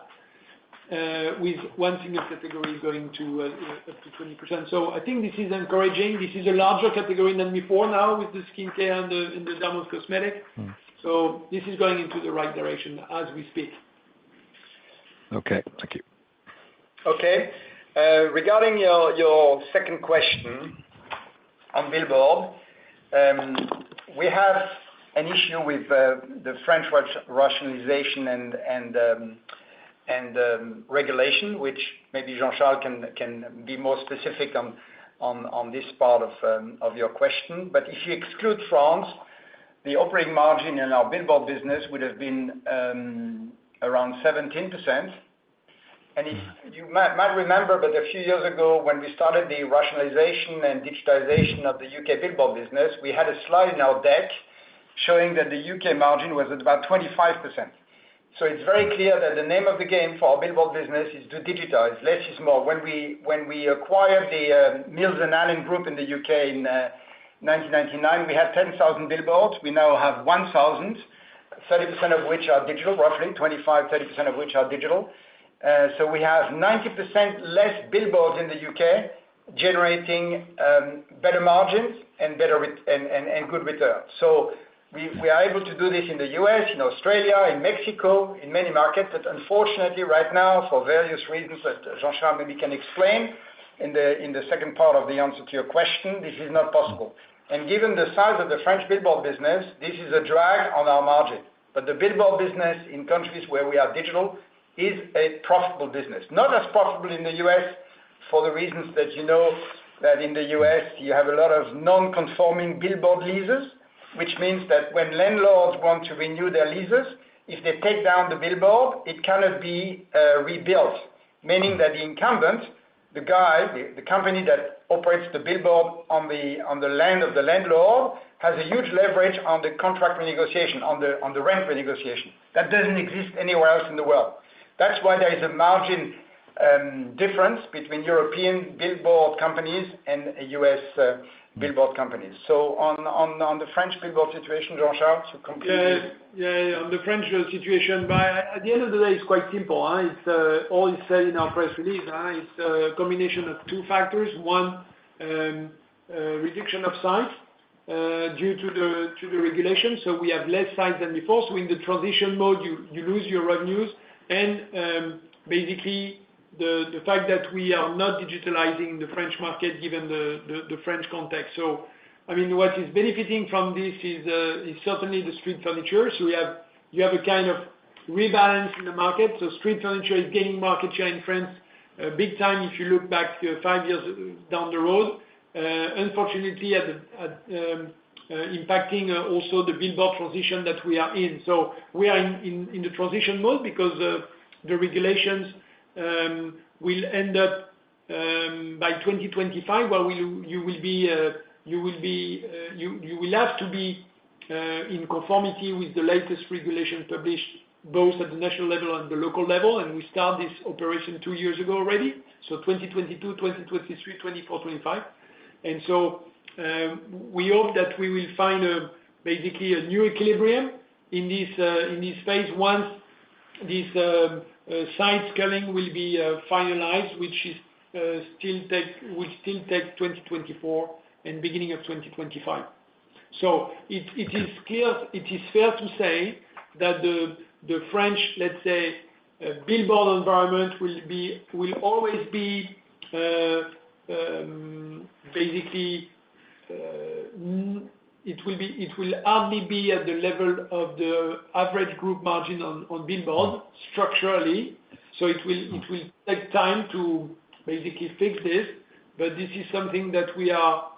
with one single category going to up to 20%. So I think this is encouraging. This is a larger category than before now with the skincare and the dermacosmetic. Mm. So this is going into the right direction as we speak. Okay, thank you. Okay. Regarding your second question on billboard, we have an issue with the French rationalization and regulation, which maybe Jean-Charles can be more specific on this part of your question. But if you exclude France, the operating margin in our billboard business would have been around 17%. And if you might remember, but a few years ago, when we started the rationalization and digitization of the UK billboard business, we had a slide in our deck showing that the UK margin was at about 25%. So it's very clear that the name of the game for our billboard business is to digitize. Less is more. When we acquired the Mills & Allen group in the UK in 1999, we had 10,000 billboards. We now have 1,000, 30% of which are digital, roughly 25-30% of which are digital. So we have 90% less billboards in the UK generating better margins and better revenue and good return. So we are able to do this in the US, in Australia, in Mexico, in many markets, but unfortunately, right now, for various reasons that Jean-Charles maybe can explain in the second part of the answer to your question, this is not possible. And given the size of the French billboard business, this is a drag on our margin. But the billboard business in countries where we are digital is a profitable business. Not as profitable in the US for the reasons that you know that in the US, you have a lot of non-conforming billboard leases, which means that when landlords want to renew their leases, if they take down the billboard, it cannot be rebuilt. Meaning that the incumbent, the guy, the company that operates the billboard on the land of the landlord, has a huge leverage on the contract renegotiation, on the rent renegotiation. That doesn't exist anywhere else in the world. That's why there is a margin difference between European billboard companies and US billboard companies. So on the French billboard situation, Jean-Charles, to complete it. Yeah, yeah, on the French situation, but at the end of the day, it's quite simple. It's all said in our press release. It's a combination of two factors. One, reduction of size due to the regulation, so we have less size than before. So in the transition mode, you lose your revenues. And basically, the fact that we are not digitalizing the French market, given the French context. So I mean, what is benefiting from this is certainly the street furniture. So you have a kind of rebalance in the market. So street furniture is gaining market share in France, big time, if you look back five years down the road. Unfortunately, impacting also the billboard transition that we are in. So we are in the transition mode because the regulations will end up by 2025, where you will have to be in conformity with the latest regulation published, both at the national level and the local level. We start this operation two years ago already, so 2022, 2023, 2025. So we hope that we will find basically a new equilibrium in this phase, once this site scanning will be finalized, which will still take 2024 and beginning of 2025. So it is clear, it is fair to say that the French, let's say, billboard environment will be, will always be, it will hardly be at the level of the average group margin on billboard structurally. So it will take time to basically fix this, but this is something that we are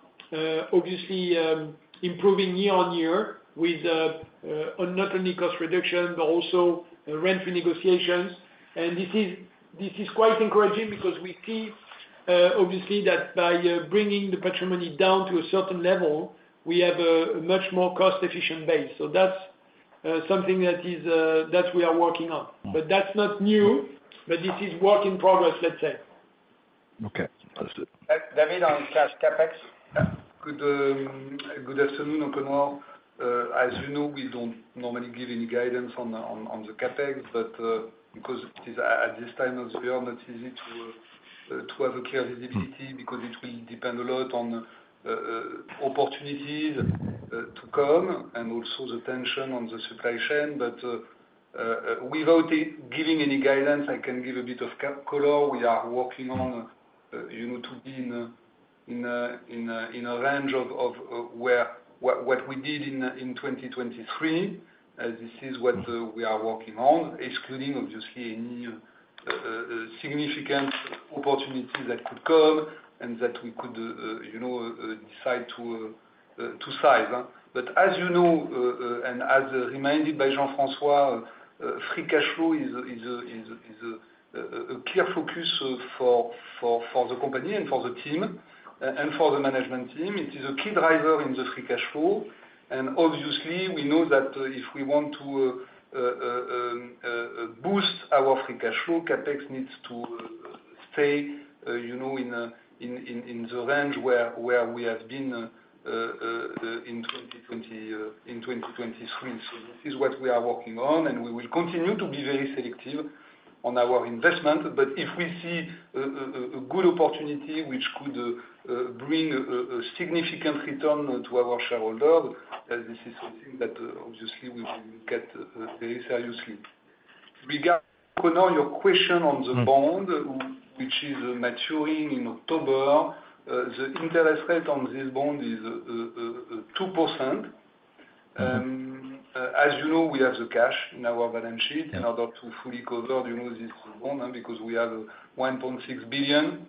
improving year on year with on not only cost reduction, but also rent negotiations. And this is quite encouraging because we see that by bringing the patrimony down to a certain level, we have a much more cost-efficient base. So that's something that is that we are working on. That's not new, but this is work in progress, let's say. Okay, understood. David, on slash CapEx? Good afternoon, everyone. As you know, we don't normally give any guidance on the CapEx, but because it is at this time of year, not easy to have a clear visibility because it will depend a lot on opportunities to come and also the tension on the supply chain. But without it giving any guidance, I can give a bit of color. We are working on, you know, to be in a range of what we did in 2023. This is what we are working on, excluding obviously any a significant opportunity that could come and that we could, you know, decide to size. But as you know, and as reminded by Jean-François, free cash flow is a clear focus for the company and for the team, and for the management team. It is a key driver in the free cash flow, and obviously we know that, if we want to boost our free cash flow, CapEx needs to stay, you know, in the range where we have been in 2020, in 2023. So this is what we are working on, and we will continue to be very selective on our investment. But if we see a good opportunity which could bring a significant return to our shareholder, this is something that obviously we will look at very seriously. Regarding your question on the bond which is maturing in October, the interest rate on this bond is 2%. Mm-hmm. As you know, we have the cash in our balance sheet in order to fully cover, you know, this bond, because we have 1.6 billion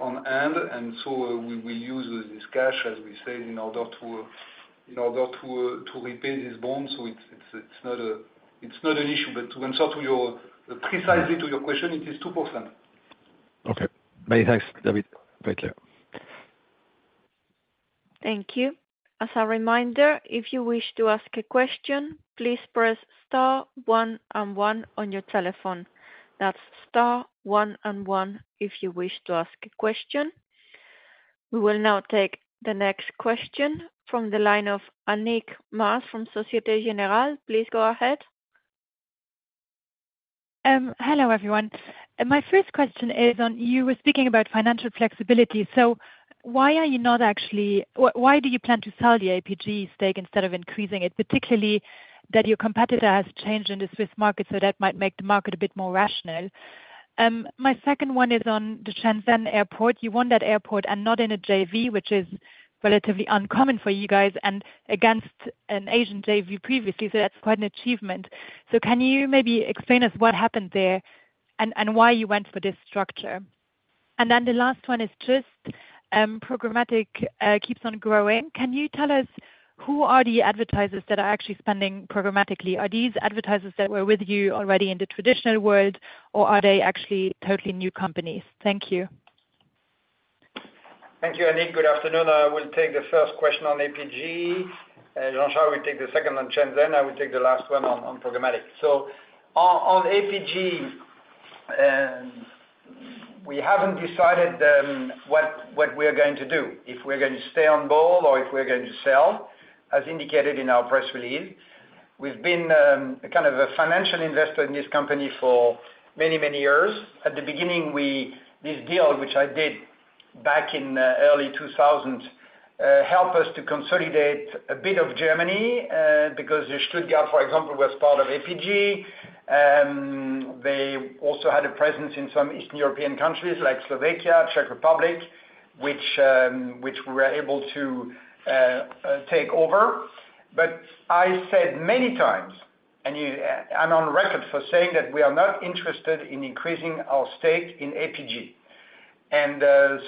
on hand, and so we use this cash, as we said, in order to repay this bond. So it's not an issue. But to answer precisely to your question, it is 2%. Okay. Many thanks, David. Very clear. Thank you. As a reminder, if you wish to ask a question, please press star one and one on your telephone. That's star one and one if you wish to ask a question. We will now take the next question from the line of Annick Maas from Société Générale. Please go ahead. Hello, everyone. My first question is on you were speaking about financial flexibility, so why are you not actually... Why, why do you plan to sell the APG stake instead of increasing it, particularly that your competitor has changed in the Swiss market, so that might make the market a bit more rational? My second one is on the Shenzhen Airport. You won that airport and not in a JV, which is relatively uncommon for you guys and against an Asian JV previously, so that's quite an achievement. So can you maybe explain to us what happened there, and, and why you went for this structure? And then the last one is just programmatic keeps on growing. Can you tell us who are the advertisers that are actually spending programmatically? Are these advertisers that were with you already in the traditional world, or are they actually totally new companies? Thank you. Thank you, Annick. Good afternoon. I will take the first question on APG. Jean-François will take the second on Shenzhen. I will take the last one on programmatic. So on APG, we haven't decided what we are going to do, if we're going to stay on board or if we're going to sell, as indicated in our press release. We've been a kind of a financial investor in this company for many, many years. At the beginning, this deal, which I did back in early 2000s, helped us to consolidate a bit of Germany, because Stuttgart, for example, was part of APG. They also had a presence in some Eastern European countries like Slovakia, Czech Republic, which we were able to take over. But I said many times, and you- I'm on record for saying, that we are not interested in increasing our stake in APG.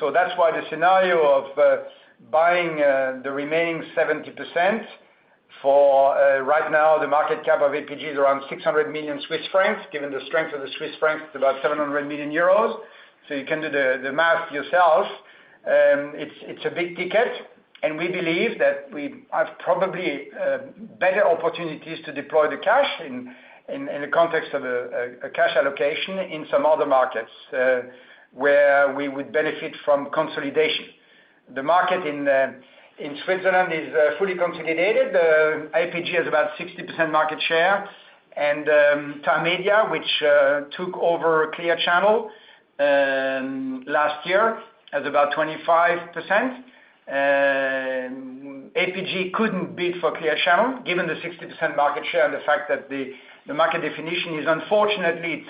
So that's why the scenario of buying the remaining 70% for, right now, the market cap of APG is around 600 million Swiss francs. Given the strength of the Swiss francs, it's about 700 million euros. So you can do the math yourselves. It's a big ticket, and we believe that we have probably better opportunities to deploy the cash in the context of a cash allocation in some other markets, where we would benefit from consolidation. The market in Switzerland is fully consolidated. APG has about 60% market share, and Tamedia, which took over Clear Channel last year, has about 25%. APG couldn't bid for Clear Channel, given the 60% market share and the fact that the market definition is unfortunately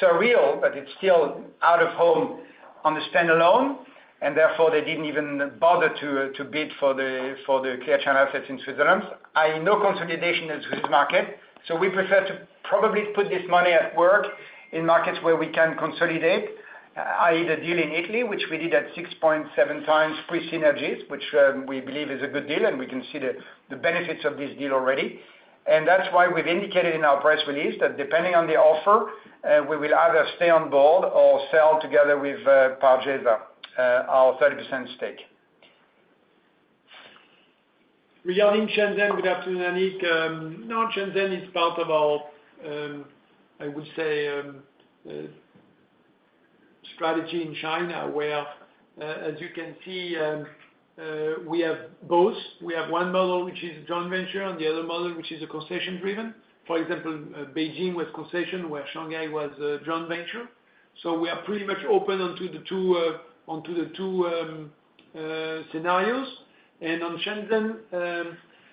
so real, but it's still out of home on the standalone, and therefore, they didn't even bother to bid for the Clear Channel assets in Switzerland. I know consolidation in this market, so we prefer to probably put this money at work in markets where we can consolidate, either deal in Italy, which we did at 6.7 times pre-synergies, which we believe is a good deal, and we can see the benefits of this deal already. That's why we've indicated in our press release that depending on the offer, we will either stay on board or sell together with Pargesa our 30% stake. Regarding Shenzhen, good afternoon, Annick. Shenzhen is part of our, I would say, strategy in China, where, as you can see, we have both. We have one model, which is joint venture, and the other model, which is a concession-driven. For example, Beijing was concession, where Shanghai was a joint venture. So we are pretty much open onto the two scenarios. On Shenzhen,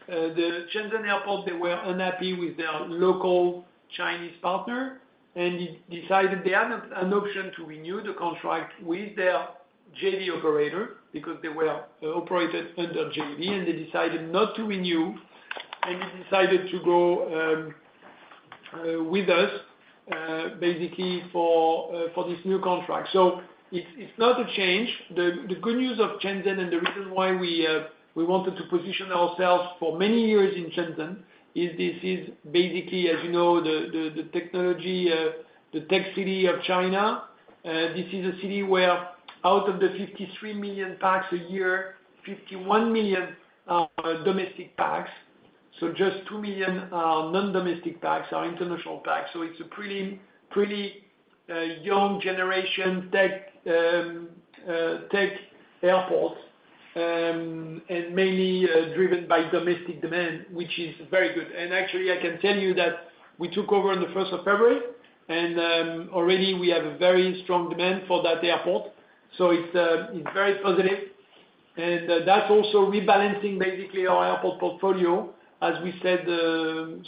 the Shenzhen airport, they were unhappy with their local Chinese partner and decided they have an option to renew the contract with their JV operator because they were operated under JV, and they decided not to renew.... and we decided to go with us basically for this new contract. So it's not a change. The good news of Shenzhen and the reason why we wanted to position ourselves for many years in Shenzhen is this is basically, as you know, the technology the tech city of China. This is a city where out of the 53 million pax a year, 51 million are domestic pax. So just 2 million are non-domestic pax or international pax. So it's a pretty young generation tech tech airport and mainly driven by domestic demand, which is very good. And actually, I can tell you that we took over on the first of February, and already we have a very strong demand for that airport. So it's very positive. That's also rebalancing basically our airport portfolio, as we said,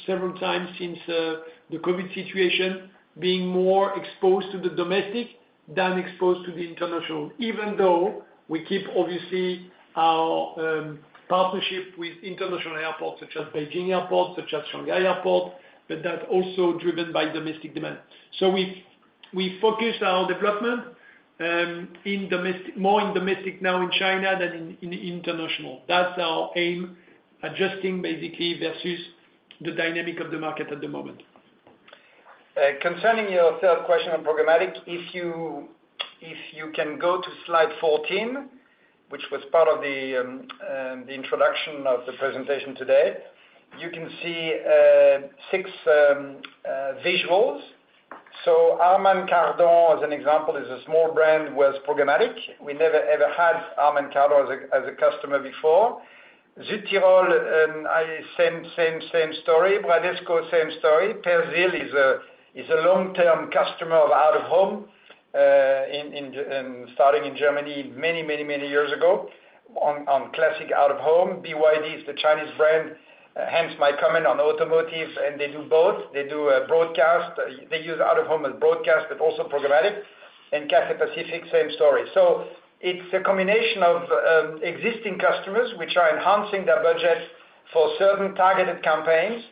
several times since the COVID situation, being more exposed to the domestic than exposed to the international. Even though we keep obviously our partnership with international airports, such as Beijing Airport, such as Shanghai Airport, but that's also driven by domestic demand. So we focus our development in domestic, more in domestic now in China than in international. That's our aim, adjusting basically versus the dynamic of the market at the moment. Concerning your third question on programmatic, if you can go to slide 14, which was part of the introduction of the presentation today, you can see six visuals. So Harman Kardon, as an example, is a small brand, who was programmatic. We never, ever had Harman Kardon as a customer before. Südtirol, and it's the same, same, same story. Bradesco, same story. Persil is a long-term customer of out-of-home in Germany starting many, many, many years ago on classic out-of-home. BYD is the Chinese brand, hence my comment on automotive, and they do both. They do broadcast, they use out-of-home as broadcast, but also programmatic. And Cathay Pacific, same story. So it's a combination of existing customers, which are enhancing their budget for certain targeted campaigns,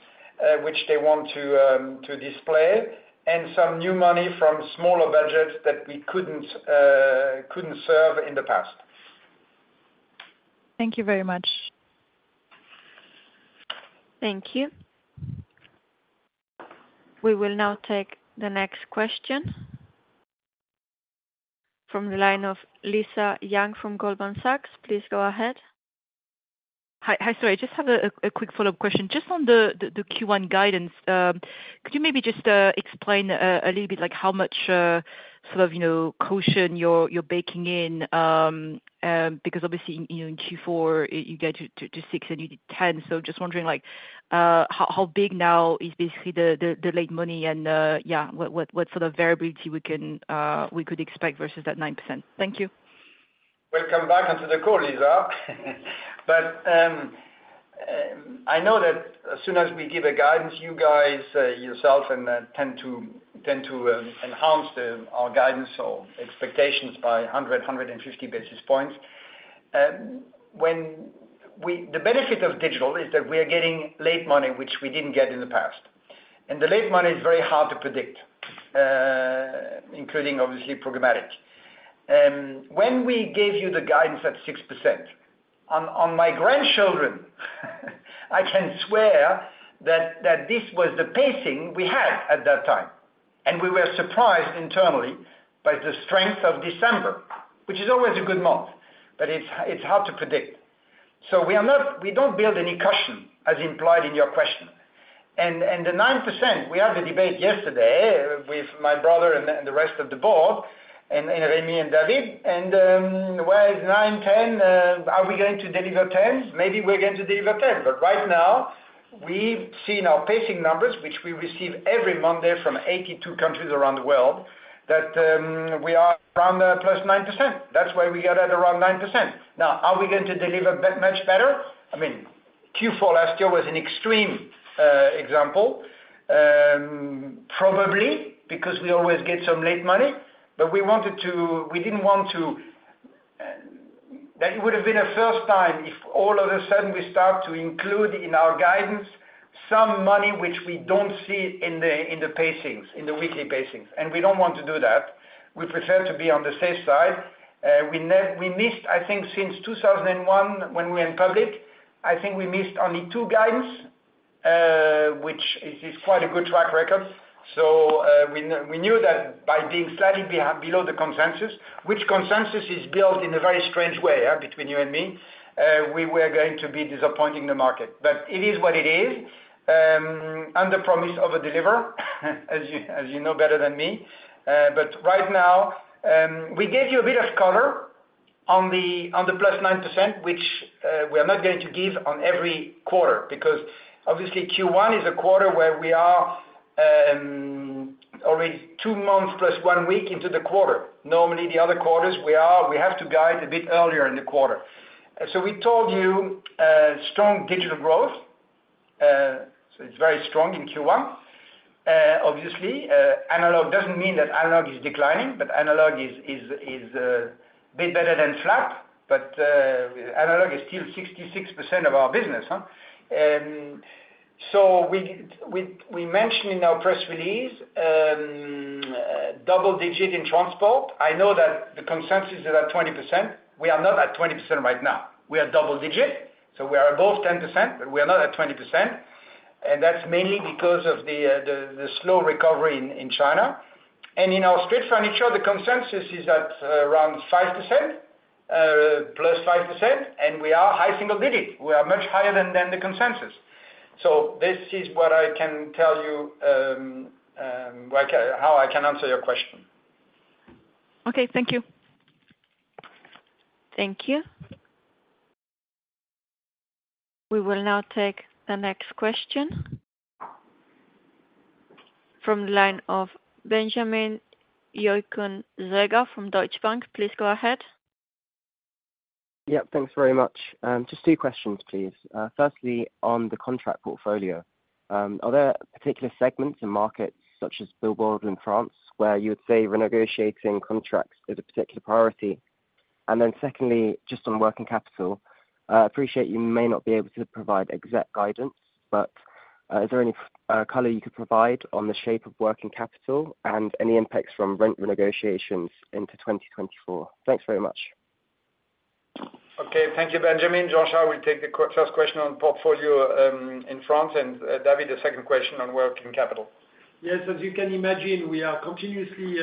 which they want to display, and some new money from smaller budgets that we couldn't serve in the past. Thank you very much. Thank you. We will now take the next question from the line of Lisa Yang from Goldman Sachs. Please go ahead. Hi. Hi, sorry, I just have a quick follow-up question. Just on the Q1 guidance, could you maybe just explain a little bit like how much sort of, you know, caution you're baking in? Because obviously, you know, in Q4, you get to 6 and you did 10. So just wondering, like, how big now is basically the late money and, yeah, what sort of variability we could expect versus that 9%. Thank you. Welcome back onto the call, Lisa. But I know that as soon as we give a guidance, you guys yourself and tend to enhance our guidance or expectations by 100-150 basis points. The benefit of digital is that we are getting late money, which we didn't get in the past. And the late money is very hard to predict, including obviously programmatic. When we gave you the guidance at 6%, on my grandchildren, I can swear that this was the pacing we had at that time. And we were surprised internally by the strength of December, which is always a good month, but it's hard to predict. So we don't build any cushion, as implied in your question. the 9%, we had a debate yesterday with my brother and the rest of the board, and Rémi and David, and well, 9, 10, are we going to deliver 10s? Maybe we're going to deliver 10. But right now, we've seen our pacing numbers, which we receive every Monday from 82 countries around the world, that we are around +9%. That's why we got at around 9%. Now, are we going to deliver much better? I mean, Q4 last year was an extreme example. Probably, because we always get some late money, but we wanted to-- we didn't want to... That it would have been a first time if all of a sudden we start to include in our guidance, some money which we don't see in the pacings, in the weekly pacings, and we don't want to do that. We prefer to be on the safe side. We missed, I think since 2001, when we went public, I think we missed only two guidance, which is quite a good track record. So, we knew that by being slightly below the consensus, which consensus is built in a very strange way, between you and me, we were going to be disappointing the market. But it is what it is, under promise over deliver, as you know better than me. But right now, we gave you a bit of color on the plus 9%, which we are not going to give on every quarter, because obviously Q1 is a quarter where we are already two months plus one week into the quarter. Normally, the other quarters, we have to guide a bit earlier in the quarter. So we told you strong digital growth, so it's very strong in Q1.... obviously, analog doesn't mean that analog is declining, but analog is a bit better than flat. But, analog is still 66% of our business, huh? And so we mentioned in our press release, double digit in transport. I know that the consensus is about 20%. We are not at 20% right now. We are double digit, so we are above 10%, but we are not at 20%, and that's mainly because of the slow recovery in China. And in our street furniture, the consensus is at around 5%, +5%, and we are high single digit. We are much higher than the consensus. So this is what I can tell you, like, how I can answer your question. Okay, thank you. Thank you. We will now take the next question from the line of Benjamin Joucla from Deutsche Bank. Please go ahead. Yep, thanks very much. Just two questions, please. Firstly, on the contract portfolio, are there particular segments in markets such as billboard in France, where you would say renegotiating contracts is a particular priority? And then secondly, just on working capital, I appreciate you may not be able to provide exact guidance, but is there any color you could provide on the shape of working capital and any impacts from rent negotiations into 2024? Thanks very much. Okay. Thank you, Benjamin. Jean, we'll take the first question on portfolio in France, and David, the second question on working capital. Yes, as you can imagine, we are continuously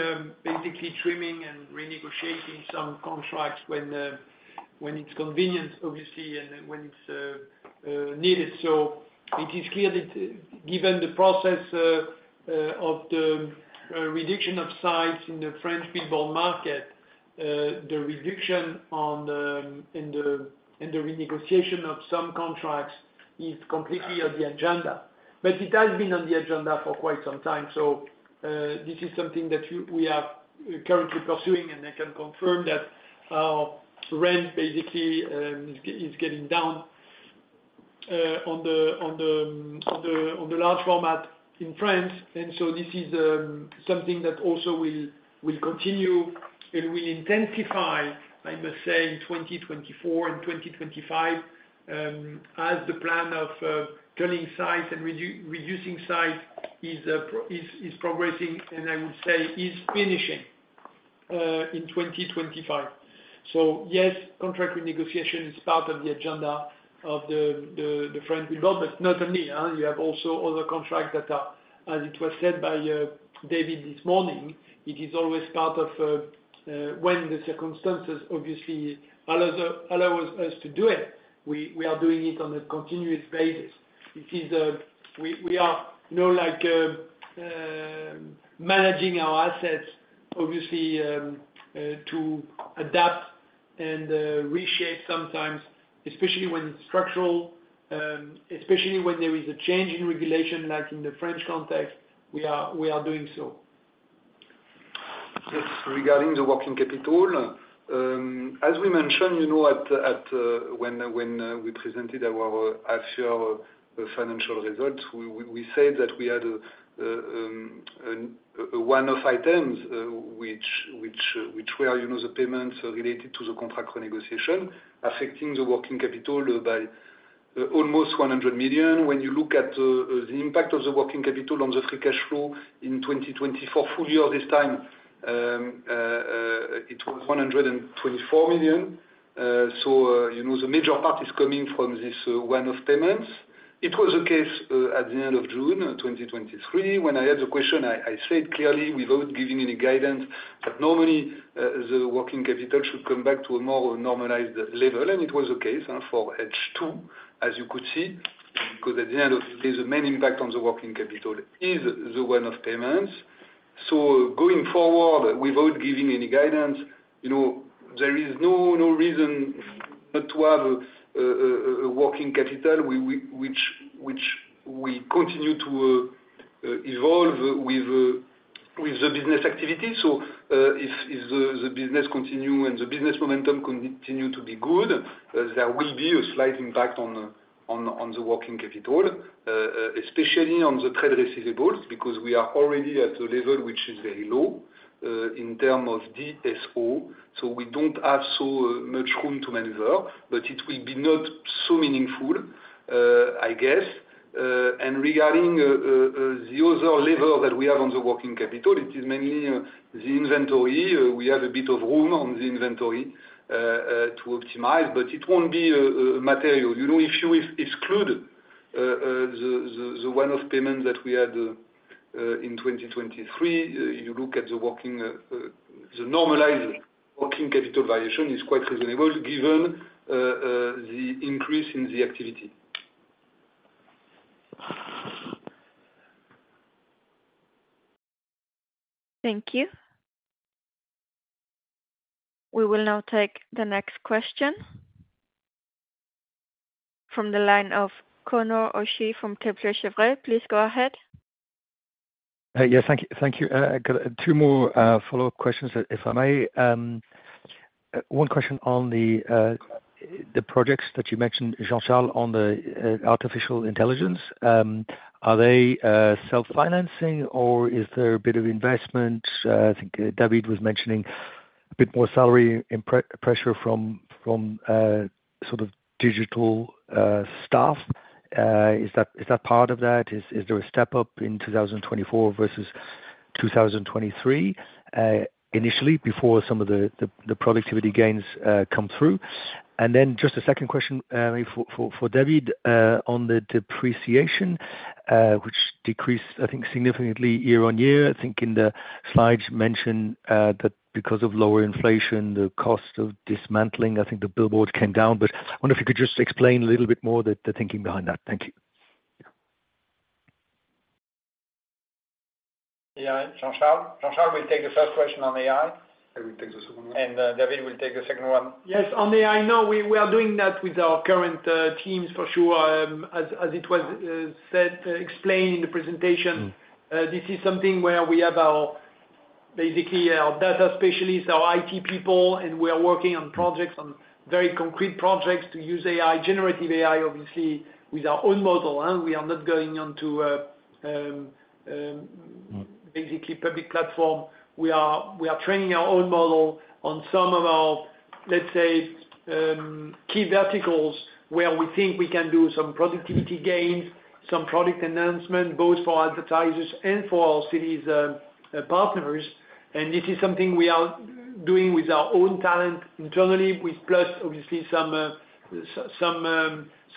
basically trimming and renegotiating some contracts when it's convenient, obviously, and when it's needed. So it is clearly, given the process of the reduction of size in the French billboard market, the reduction in the renegotiation of some contracts is completely on the agenda. But it has been on the agenda for quite some time, so this is something that we are currently pursuing, and I can confirm that our rent basically is getting down on the large format in France. This is something that also will continue and will intensify, I must say, in 2024 and 2025, as the plan of cutting size and reducing size is progressing, and I would say is finishing in 2025. Yes, contract renegotiation is part of the agenda of the French development. Not only you have also other contracts that are, as it was said by David this morning, it is always part of when the circumstances obviously allow us to do it, we are doing it on a continuous basis. We are, you know, like, managing our assets, obviously, to adapt and reshape sometimes, especially when it's structural, especially when there is a change in regulation, like in the French context. We are doing so. Just regarding the working capital, as we mentioned, you know, at the time when we presented our actual financial results, we said that we had a one-off items, which were, you know, the payments related to the contract renegotiation, affecting the working capital by almost 100 million. When you look at the impact of the working capital on the free cash flow in 2024, full year this time, it was 124 million. So, you know, the major part is coming from this one-off payments. It was the case at the end of June 2023. When I had the question, I said clearly, without giving any guidance, that normally the working capital should come back to a more normalized level, and it was the case for H2, as you could see. Because at the end of the day, the main impact on the working capital is the one-off payments. So going forward, without giving any guidance, you know, there is no reason not to have a working capital which we continue to evolve with the business activity. So, if the business continue and the business momentum continue to be good, there will be a slight impact on the working capital, especially on the trade receivables, because we are already at a level which is very low in terms of DSO, so we don't have so much room to maneuver, but it will be not so meaningful, I guess. And regarding the other level that we have on the working capital, it is mainly the inventory. We have a bit of room on the inventory to optimize, but it won't be material. You know, if you exclude the one-off payment that we had in 2023, you look at the normalized working capital variation is quite reasonable, given the increase in the activity. Thank you. We will now take the next question from the line of Conor O'Shea from Kepler Cheuvreux. Please go ahead. Yes, thank you. Thank you. I've got two more follow-up questions, if I may. One question on the projects that you mentioned, Jean-Charles, on the artificial intelligence. Are they self-financing or is there a bit of investment? I think David was mentioning a bit more salary and pressure from sort of digital staff. Is that part of that? Is there a step up in 2024 versus 2023 initially before some of the productivity gains come through? And then just a second question for David on the depreciation, which decreased, I think, significantly year-over-year. I think in the slides mentioned that because of lower inflation, the cost of dismantling, I think, the billboard came down. But I wonder if you could just explain a little bit more the thinking behind that. Thank you. Yeah. Jean-Charles. Jean-Charles will take the first question on AI. I will take the second one. David will take the second one. Yes, on the AI, you know we are doing that with our current teams for sure. As it was said, explained in the presentation- Mm. This is something where we have our, basically our data specialists, our IT people, and we are working on projects, on very concrete projects to use AI, generative AI, obviously, with our own model, and we are not going onto. Mm... basically public platform. We are, we are training our own model on some of our, let's say, key verticals, where we think we can do some productivity gains, some product enhancement, both for advertisers and for our cities, partners. And this is something we are doing with our own talent internally, with plus obviously some,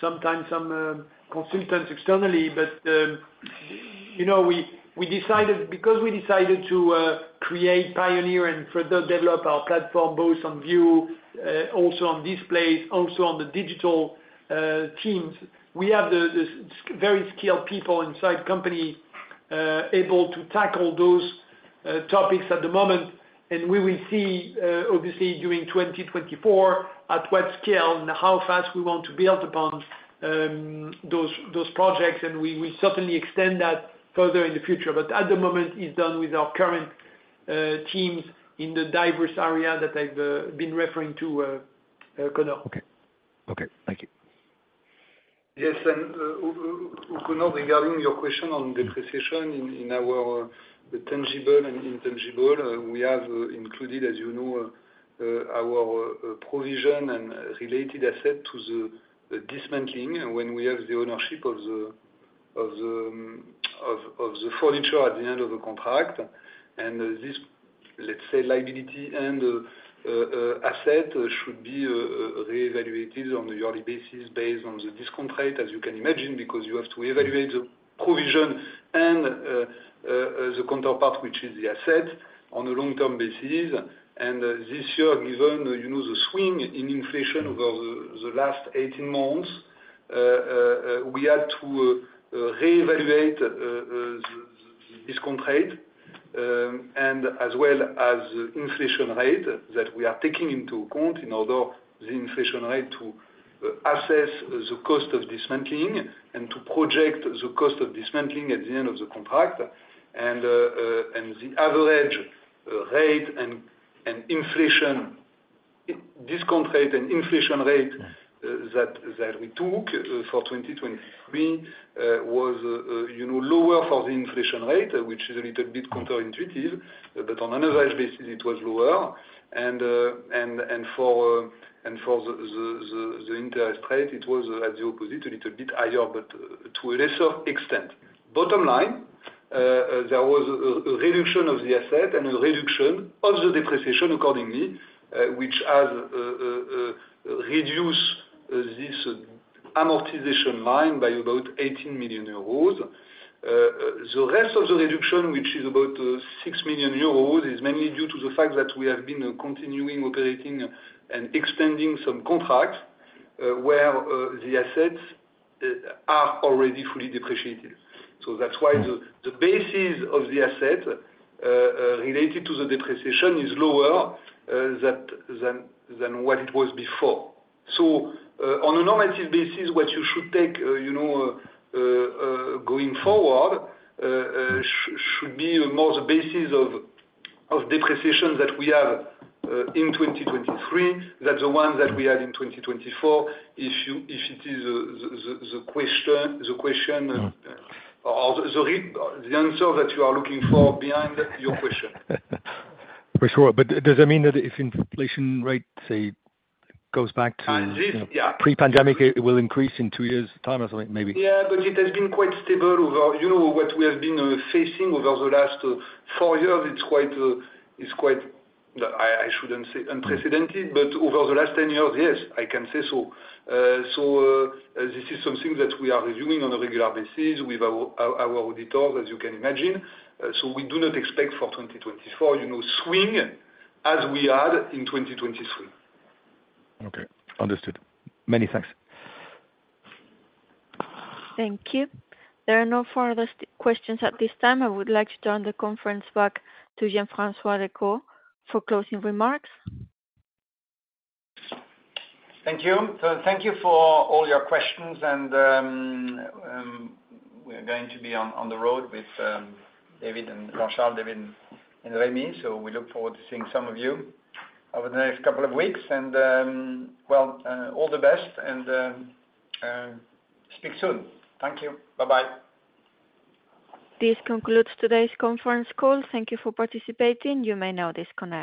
sometimes some, consultants externally. But, you know, we, we decided because we decided to, create, pioneer, and further develop our platform, both on VIOOH, also on Displayce, also on the digital, teams. We have the very skilled people inside company able to tackle those topics at the moment, and we will see, obviously, during 2024 at what scale and how fast we want to build upon those projects, and we will certainly extend that further in the future. But at the moment, it's done with our current teams in the diverse area that I've been referring to, Conor. Okay. Okay, thank you. Yes, and regarding your question on depreciation in our tangible and intangible, we have included, as you know, our provision and related asset to the dismantling when we have the ownership of the furniture at the end of the contract. This, let's say, liability and asset should be reevaluated on a yearly basis, based on the discount rate, as you can imagine, because you have to evaluate the provision and the counterpart, which is the asset, on a long-term basis. This year, given you know the swing in inflation over the last 18 months, we had to reevaluate the discount rate, and as well as the inflation rate that we are taking into account in order the inflation rate to assess the cost of dismantling and to project the cost of dismantling at the end of the contract. And, and the average rate and, and inflation, discount rate and inflation rate- Mm... that we took for 2023 was, you know, lower for the inflation rate, which is a little bit counterintuitive, but on another basis it was lower. And for the interest rate, it was at the opposite, a little bit higher, but to a lesser extent. Bottom line, there was a reduction of the asset and a reduction of the depreciation accordingly, which has reduced this amortization line by about 80 million euros. The rest of the reduction, which is about 6 million euros, is mainly due to the fact that we have been continuing operating and extending some contracts, where the assets are already fully depreciated. So that's why the basis of the asset related to the depreciation is lower than what it was before. So, on a normative basis, what you should take, you know, going forward, should be more the basis of depreciation that we have in 2023 than the one that we had in 2024. If it is the question, Mm... or the answer that you are looking for behind your question. For sure, but does it mean that if inflation rate, say, goes back to- This, yeah. Pre-pandemic, it will increase in two years time or something? Maybe. Yeah, but it has been quite stable over... You know, what we have been facing over the last four years. It's quite. It's quite. I shouldn't say unprecedented, but over the last 10 years, yes, I can say so. So, this is something that we are reviewing on a regular basis with our auditors, as you can imagine. So we do not expect for 2024, you know, swing as we had in 2023. Okay. Understood. Many thanks. Thank you. There are no further questions at this time. I would like to turn the conference back to Jean-François Decaux for closing remarks. Thank you. So thank you for all your questions and, we're going to be on the road with David and Jean-Charles, David and Rémi. So we look forward to seeing some of you over the next couple of weeks, and, well, all the best and, speak soon. Thank you. Bye-bye. This concludes today's conference call. Thank you for participating. You may now disconnect.